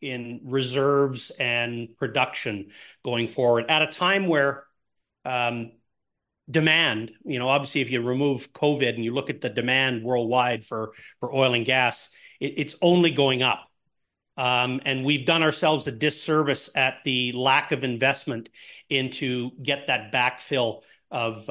in reserves and production going forward, at a time where, demand... You know, obviously, if you remove COVID and you look at the demand worldwide for oil and gas, it's only going up. And we've done ourselves a disservice at the lack of investment into get that backfill of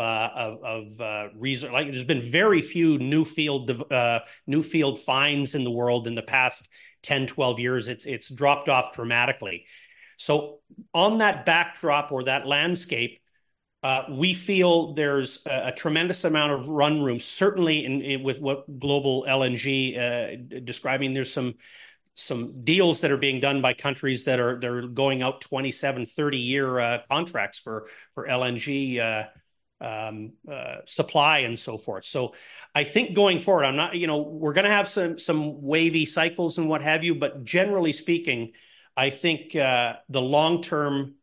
reserves, like, there's been very few new field developments, new field finds in the world in the past 10, 12 years. It's dropped off dramatically. So on that backdrop or that landscape, we feel there's a tremendous amount of run room, certainly in with what global LNG describing. There's some deals that are being done by countries that are- they're going out 27-30-year contracts for LNG supply, and so forth. So I think going forward, I'm not... You know, we're gonna have some wavy cycles and what have you, but generally speaking, I think, the long-term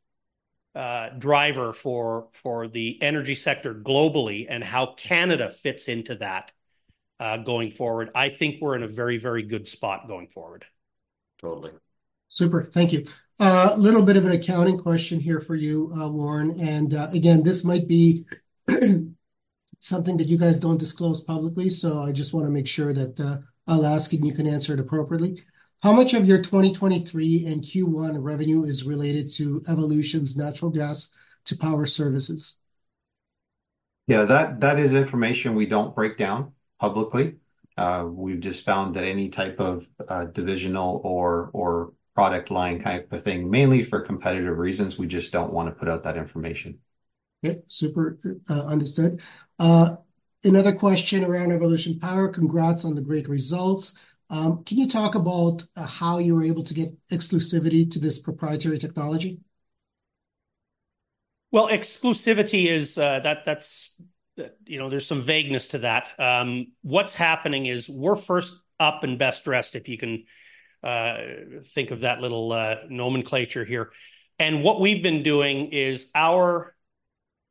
driver for the energy sector globally, and how Canada fits into that, going forward, I think we're in a very, very good spot going forward. Totally. Super. Thank you. Little bit of an accounting question here for you, Warren, and, again, this might be something that you guys don't disclose publicly, so I just want to make sure that, I'll ask and you can answer it appropriately. How much of your 2023 and Q1 revenue is related to Evolution's natural gas to power services? Yeah, that is information we don't break down publicly. We've just found that any type of divisional or product line type of thing, mainly for competitive reasons, we just don't want to put out that information. Yeah, super. Understood. Another question around Evolution Power: Congrats on the great results. Can you talk about how you were able to get exclusivity to this proprietary technology? Well, exclusivity is, that, that's, you know, there's some vagueness to that. What's happening is we're first up and best dressed, if you can think of that little nomenclature here. And what we've been doing is our,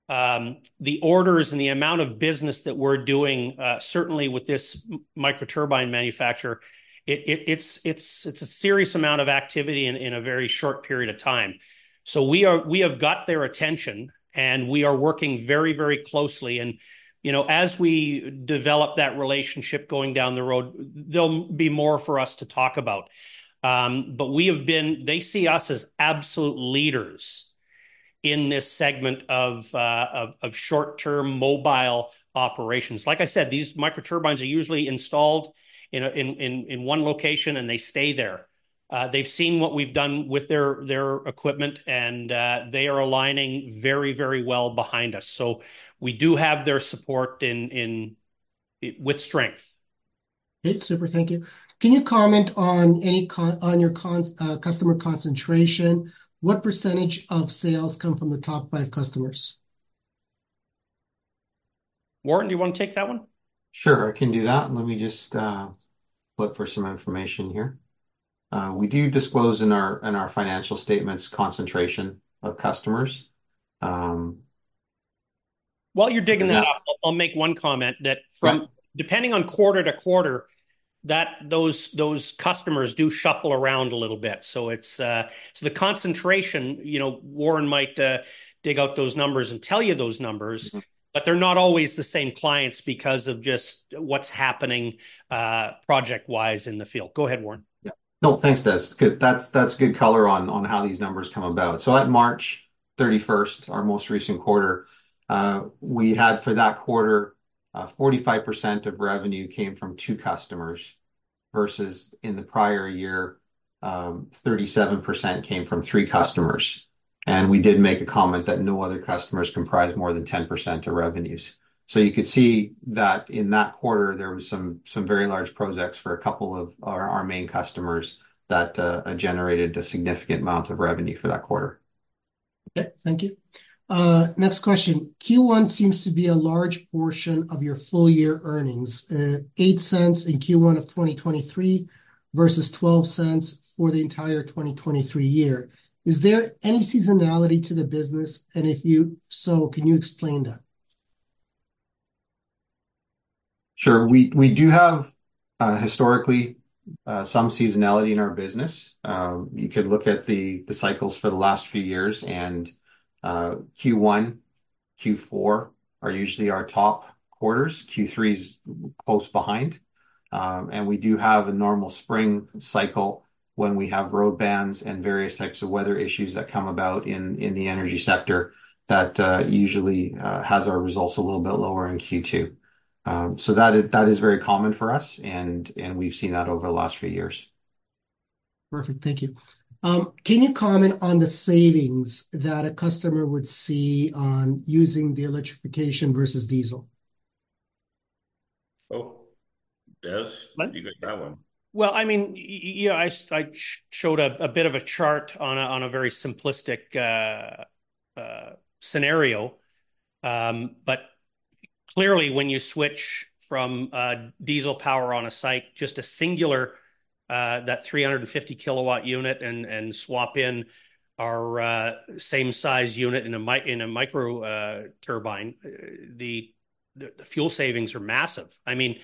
the orders and the amount of business that we're doing, certainly with this microturbine manufacturer, it's a serious amount of activity in a very short period of time. So we have got their attention, and we are working very, very closely. And, you know, as we develop that relationship going down the road, there'll be more for us to talk about. But they see us as absolute leaders in this segment of short-term mobile operations. Like I said, these microturbines are usually installed in one location, and they stay there. They've seen what we've done with their equipment, and they are aligning very, very well behind us. So we do have their support in with strength. Great. Super, thank you. Can you comment on your customer concentration? What percentage of sales come from the top five customers? Warren, do you wanna take that one? Sure, I can do that. Let me just look for some information here. We do disclose in our, in our financial statements concentration of customers. While you're digging that up, I'll make one comment, that from- Yeah Depending on quarter to quarter, that those, those customers do shuffle around a little bit. So it's. So the concentration, you know, Warren might dig out those numbers and tell you those numbers- Mm-hmm. But they're not always the same clients because of just what's happening, project-wise in the field. Go ahead, Warren. Yeah. No, thanks, Des. Good, that's, that's good color on, on how these numbers come about. So at March 31st, our most recent quarter, we had for that quarter, 45% of revenue came from two customers, versus in the prior year, 37% came from three customers. And we did make a comment that no other customers comprise more than 10% of revenues. So you could see that in that quarter there was some, some very large projects for a couple of our, our main customers that, generated a significant amount of revenue for that quarter. Okay, thank you. Next question: Q1 seems to be a large portion of your full year earnings, 0.08 in Q1 of 2023, versus 0.12 for the entire 2023 year. Is there any seasonality to the business? And if you... so, can you explain that? Sure. We do have historically some seasonality in our business. You could look at the cycles for the last few years, and Q1, Q4 are usually our top quarters. Q3 is close behind. And we do have a normal spring cycle when we have road bans and various types of weather issues that come about in the energy sector, that usually has our results a little bit lower in Q2. So that is very common for us, and we've seen that over the last few years. Perfect, thank you. Can you comment on the savings that a customer would see on using the electrification versus diesel? Oh, Des- I- You get that one. Well, I mean, you know, I showed a bit of a chart on a very simplistic scenario. But clearly when you switch from diesel power on a site, just a singular that 350 kW unit, and swap in our same size unit in a microturbine, the fuel savings are massive. I mean,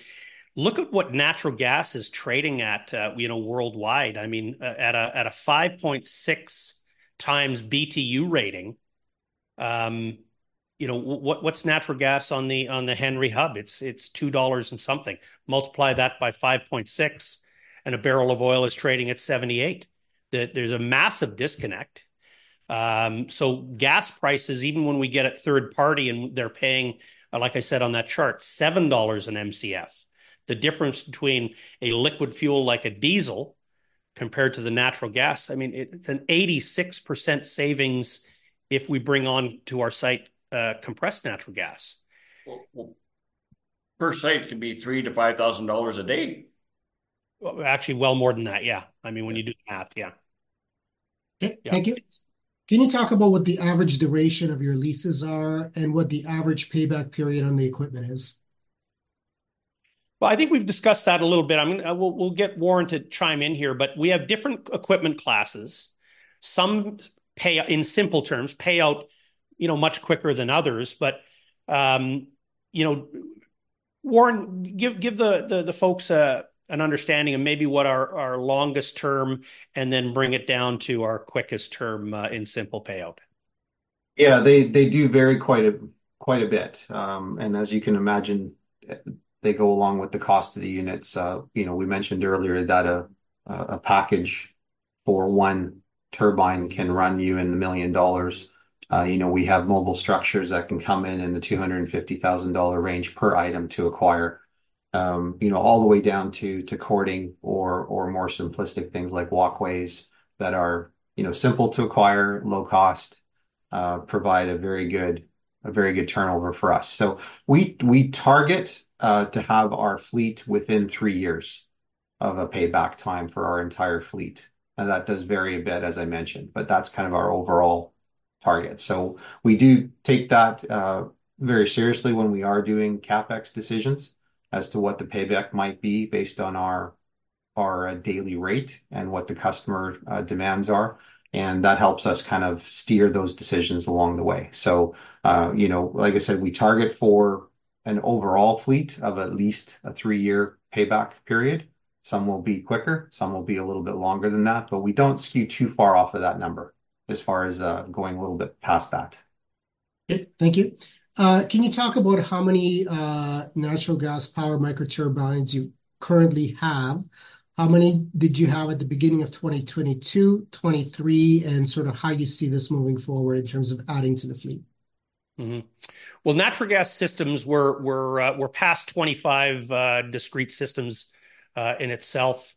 look at what natural gas is trading at, you know, worldwide. I mean, at a 5.6x BTU rating, you know, what's natural gas on the Henry Hub? It's $2 and something. Multiply that by 5.6, and a barrel of oil is trading at $78. There's a massive disconnect. So gas prices, even when we get a third party and they're paying, like I said on that chart, $7 an MCF, the difference between a liquid fuel like a diesel compared to the natural gas, I mean, it, it's an 86% savings if we bring on to our site, compressed natural gas. Well, well, per site could be 3,000-5,000 dollars a day. Well, actually well more than that, yeah. I mean, when you do the math, yeah. Okay. Yeah. Thank you. Can you talk about what the average duration of your leases are, and what the average payback period on the equipment is? Well, I think we've discussed that a little bit. We'll get Warren to chime in here, but we have different equipment classes. Some pay out, in simple terms, pay out, you know, much quicker than others. But, you know, Warren, give the folks an understanding of maybe what are our longest term, and then bring it down to our quickest term, in simple payout. Yeah, they do vary quite a bit. As you can imagine, they go along with the cost of the units. You know, we mentioned earlier that a package for one turbine can run you in the 1 million dollars. You know, we have mobile structures that can come in the 250,000 dollar range per item to acquire. You know, all the way down to cording or more simplistic things like walkways that are, you know, simple to acquire, low cost, provide a very good turnover for us. We target to have our fleet within three years of a payback time for our entire fleet, and that does vary a bit, as I mentioned, but that's kind of our overall target. So we do take that very seriously when we are doing CapEx decisions as to what the payback might be based on our daily rate and what the customer demands are, and that helps us kind of steer those decisions along the way. So, you know, like I said, we target for an overall fleet of at least a three-year payback period. Some will be quicker, some will be a little bit longer than that, but we don't skew too far off of that number, as far as going a little bit past that. Okay, thank you. Can you talk about how many natural gas powered microturbines you currently have? How many did you have at the beginning of 2022, 2023, and sort of how you see this moving forward in terms of adding to the fleet? Mm-hmm. Well, natural gas systems, we're past 25 discrete systems in itself.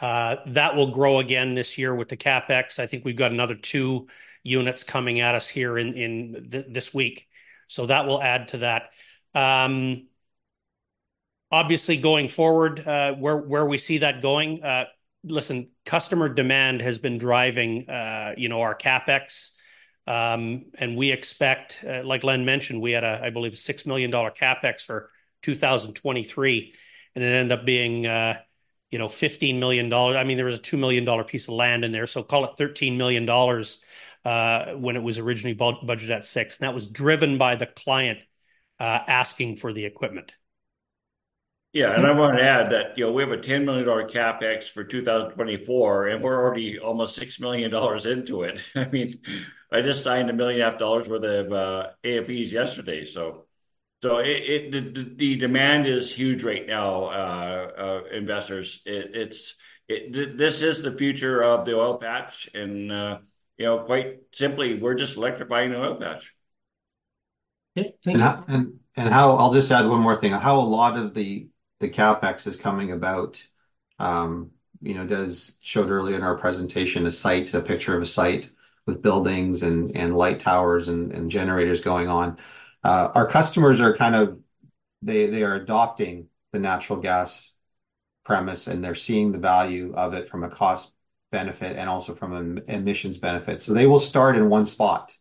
That will grow again this year with the CapEx. I think we've got another two units coming at us here in this week, so that will add to that. Obviously, going forward, where we see that going, listen, customer demand has been driving, you know, our CapEx. And we expect, like Len mentioned, we had a, I believe, 6 million dollar CapEx for 2023, and it ended up being, you know, 15 million dollars. I mean, there was a 2 million dollar piece of land in there, so call it 13 million dollars, when it was originally budgeted at 6 million, and that was driven by the client asking for the equipment. Yeah, and I want to add that, you know, we have a 10 million dollar CapEx for 2024, and we're already almost 6 million dollars into it. I mean, I just signed 1.5 million dollars worth of AFEs yesterday. So, the demand is huge right now, investors. This is the future of the oil patch and, you know, quite simply, we're just electrifying the oil patch. Yeah, thank you- I'll just add one more thing, how a lot of the CapEx is coming about, you know, as shown earlier in our presentation, a picture of a site with buildings and light towers and generators going on. Our customers are kind of, they are adopting the natural gas premise, and they're seeing the value of it from a cost benefit and also from an emissions benefit. So they will start in one spot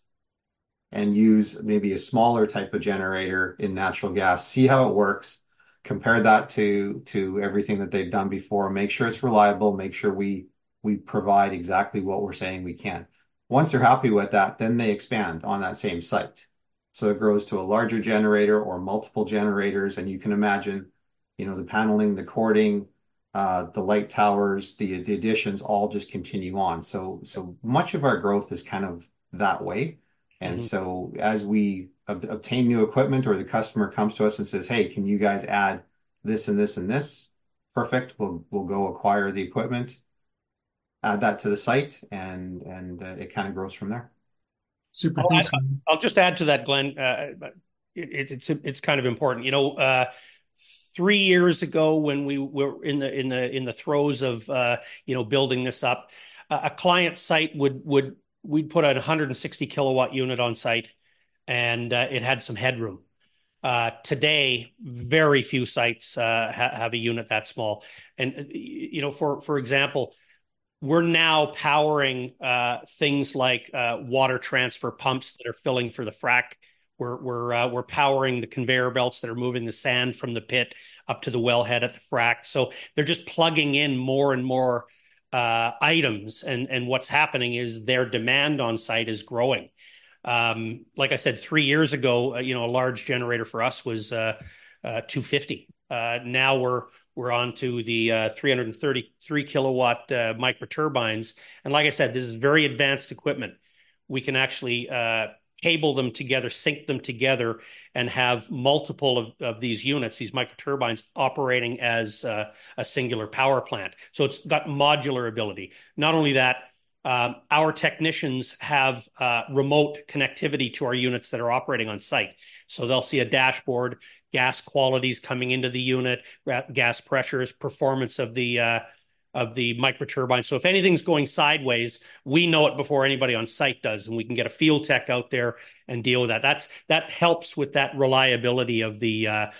and use maybe a smaller type of generator in natural gas, see how it works, compare that to everything that they've done before, make sure it's reliable, make sure we provide exactly what we're saying we can. Once they're happy with that, then they expand on that same site, so it grows to a larger generator or multiple generators. You can imagine, you know, the paneling, the cording, the light towers, the additions all just continue on. So much of our growth is kind of that way. Mm-hmm. And so as we obtain new equipment or the customer comes to us and says, "hey, can you guys add this and this and this?" Perfect. We'll go acquire the equipment, add that to the site, and it kind of grows from there. Super. Thanks. I'll just add to that, Glen. It's kind of important. You know, three years ago, when we were in the throes of, you know, building this up, a client site would, we'd put out 160 kW unit on site, and it had some headroom. Today, very few sites have a unit that small. And, you know, for example, we're now powering things like water transfer pumps that are filling for the frack. We're powering the conveyor belts that are moving the sand from the pit up to the wellhead at the frack. So they're just plugging in more and more items, and what's happening is their demand on site is growing. Like I said, three years ago, you know, a large generator for us was 250 kW. Now we're onto the 333-kilowatt microturbines. And like I said, this is very advanced equipment. We can actually cable them together, sync them together, and have multiple of these units, these microturbines, operating as a singular power plant. So it's got modular ability. Not only that, our technicians have remote connectivity to our units that are operating on site. So they'll see a dashboard, gas qualities coming into the unit, gas pressures, performance of the microturbine. So if anything's going sideways, we know it before anybody on site does, and we can get a field tech out there and deal with that. That helps with that reliability of the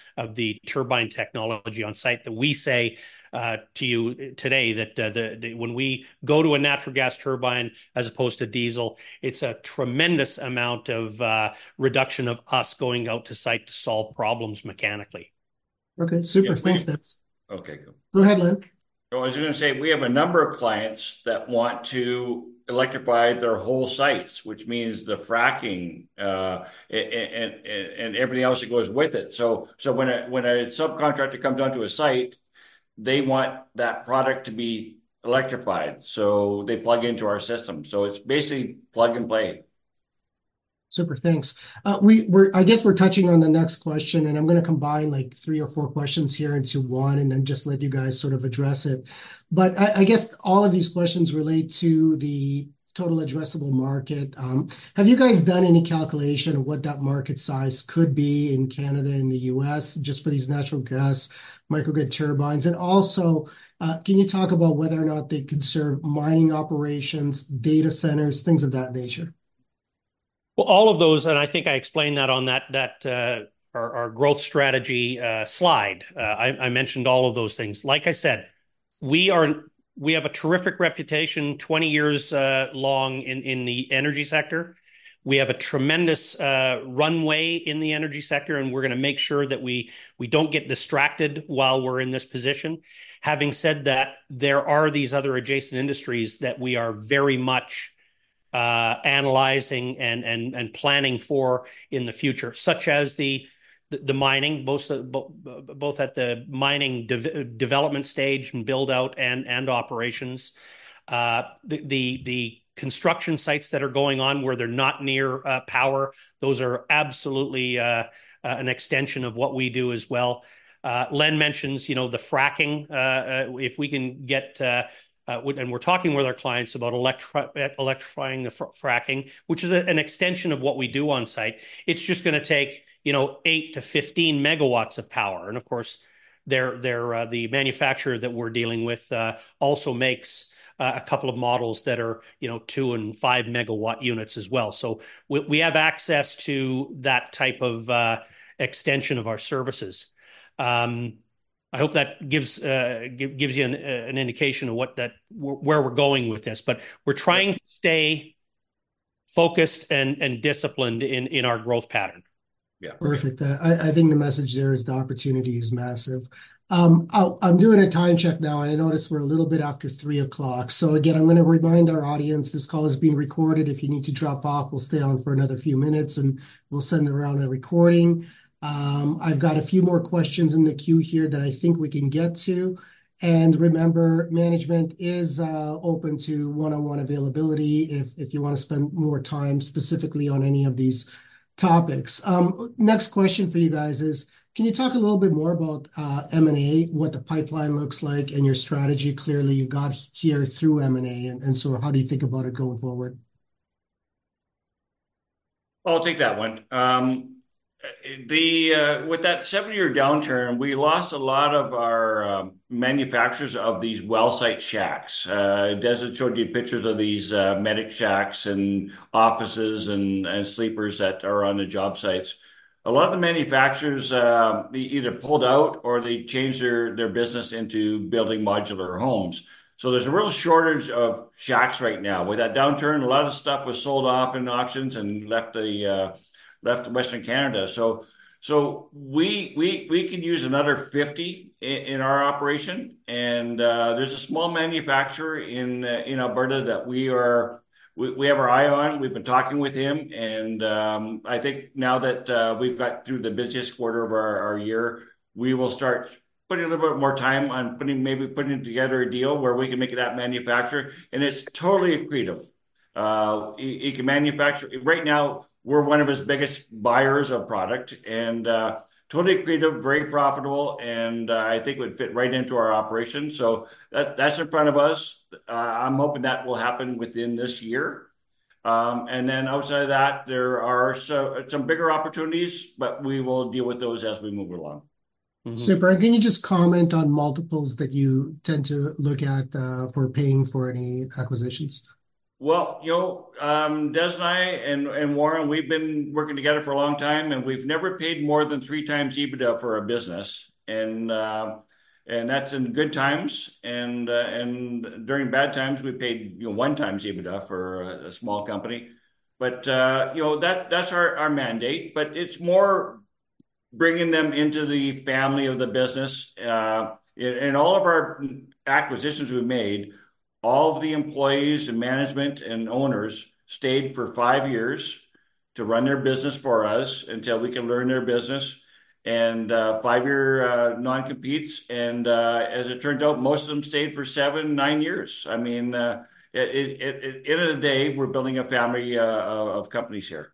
turbine technology on site that we say to you today that when we go to a natural gas turbine as opposed to diesel, it's a tremendous amount of reduction of us going out to site to solve problems mechanically. Okay, super. Yeah, thank- Thanks, guys. Okay, good. Go ahead, Len. I was going to say, we have a number of clients that want to electrify their whole sites, which means the fracking, and everything else that goes with it. So when a subcontractor comes onto a site, they want that product to be electrified, so they plug into our system. So it's basically plug and play. Super, thanks. I guess we're touching on the next question, and I'm going to combine like three or four questions here into one and then just let you guys sort of address it. But I guess all of these questions relate to the total addressable market. Have you guys done any calculation of what that market size could be in Canada and the U.S. just for these natural gas microgrid turbines? And also, can you talk about whether or not they could serve mining operations, data centers, things of that nature? Well, all of those, and I think I explained that on our growth strategy slide. I mentioned all of those things. Like I said, we have a terrific reputation, 20 years long, in the energy sector. We have a tremendous runway in the energy sector, and we're going to make sure that we don't get distracted while we're in this position. Having said that, there are these other adjacent industries that we are very much analyzing and planning for in the future, such as the mining, both at the mining development stage and build-out and operations. The construction sites that are going on where they're not near power, those are absolutely an extension of what we do as well. Len mentions, you know, the fracking. If we can get and we're talking with our clients about electrifying the fracking, which is an extension of what we do on site. It's just gonna take, you know, 8-15 megawatts of power, and of course, the manufacturer that we're dealing with also makes a couple of models that are, you know, 2-megawatt and 5-megawatt units as well. So we have access to that type of extension of our services. I hope that gives you an indication of where we're going with this, but we're trying to stay focused and disciplined in our growth pattern. Yeah. Perfect. I think the message there is the opportunity is massive. I'm doing a time check now, and I notice we're a little bit after 3:00 P.M. So again, I'm gonna remind our audience, this call is being recorded. If you need to drop off, we'll stay on for another few minutes, and we'll send around a recording. I've got a few more questions in the queue here that I think we can get to, and remember, management is open to one-on-one availability if you wanna spend more time specifically on any of these topics. Next question for you guys is, can you talk a little bit more about M&A, what the pipeline looks like, and your strategy? Clearly, you got here through M&A, and so how do you think about it going forward? I'll take that one. With that 7-year downturn, we lost a lot of our manufacturers of these wellsite shacks. Des has showed you pictures of these medic shacks and offices and sleepers that are on the job sites. A lot of the manufacturers, they either pulled out or they changed their business into building modular homes. So there's a real shortage of shacks right now. With that downturn, a lot of stuff was sold off in auctions and left Western Canada. So we could use another 50 in our operation, and there's a small manufacturer in Alberta that we have our eye on. We've been talking with him, and I think now that we've got through the busiest quarter of our year, we will start putting a little bit more time on putting, maybe putting together a deal where we can make it at manufacturer, and it's totally accretive. He can manufacture, right now, we're one of his biggest buyers of product, and totally accretive, very profitable, and I think would fit right into our operation, so that's in front of us. I'm hoping that will happen within this year. And then outside of that, there are some bigger opportunities, but we will deal with those as we move along. Mm-hmm. Super. Can you just comment on multiples that you tend to look at, for paying for any acquisitions? Well, you know, Des and I, and Warren, we've been working together for a long time, and we've never paid more than 3x EBITDA for a business. And that's in good times, and during bad times, we paid, you know, 1x EBITDA for a small company. But you know, that's our mandate, but it's more bringing them into the family of the business. In all of our acquisitions we've made, all of the employees and management and owners stayed for five years to run their business for us until we can learn their business, and five-year non-competes, and as it turned out, most of them stayed for seven, nine years. I mean, end of the day, we're building a family of companies here.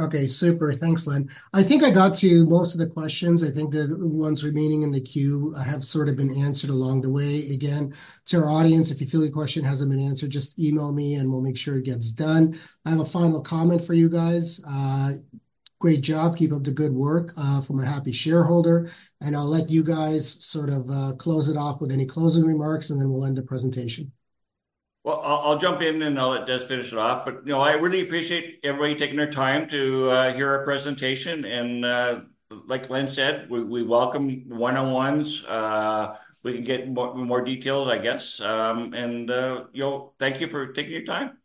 Okay, super. Thanks, Len. I think I got to most of the questions. I think the ones remaining in the queue have sort of been answered along the way. Again, to our audience, if you feel your question hasn't been answered, just email me, and we'll make sure it gets done. I have a final comment for you guys. Great job. Keep up the good work from a happy shareholder, and I'll let you guys sort of close it off with any closing remarks, and then we'll end the presentation. Well, I'll jump in, and I'll let Des finish it off, but you know, I really appreciate everybody taking their time to hear our presentation, and like Des said, we welcome one-on-ones. We can get more detailed, I guess, and you know, thank you for taking your time.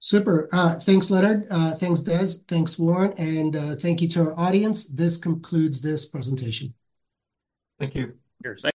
Super. Thanks, Leonard. Thanks, Des. Thanks, Warren, and thank you to our audience. This concludes this presentation. Thank you. Cheers, thanks!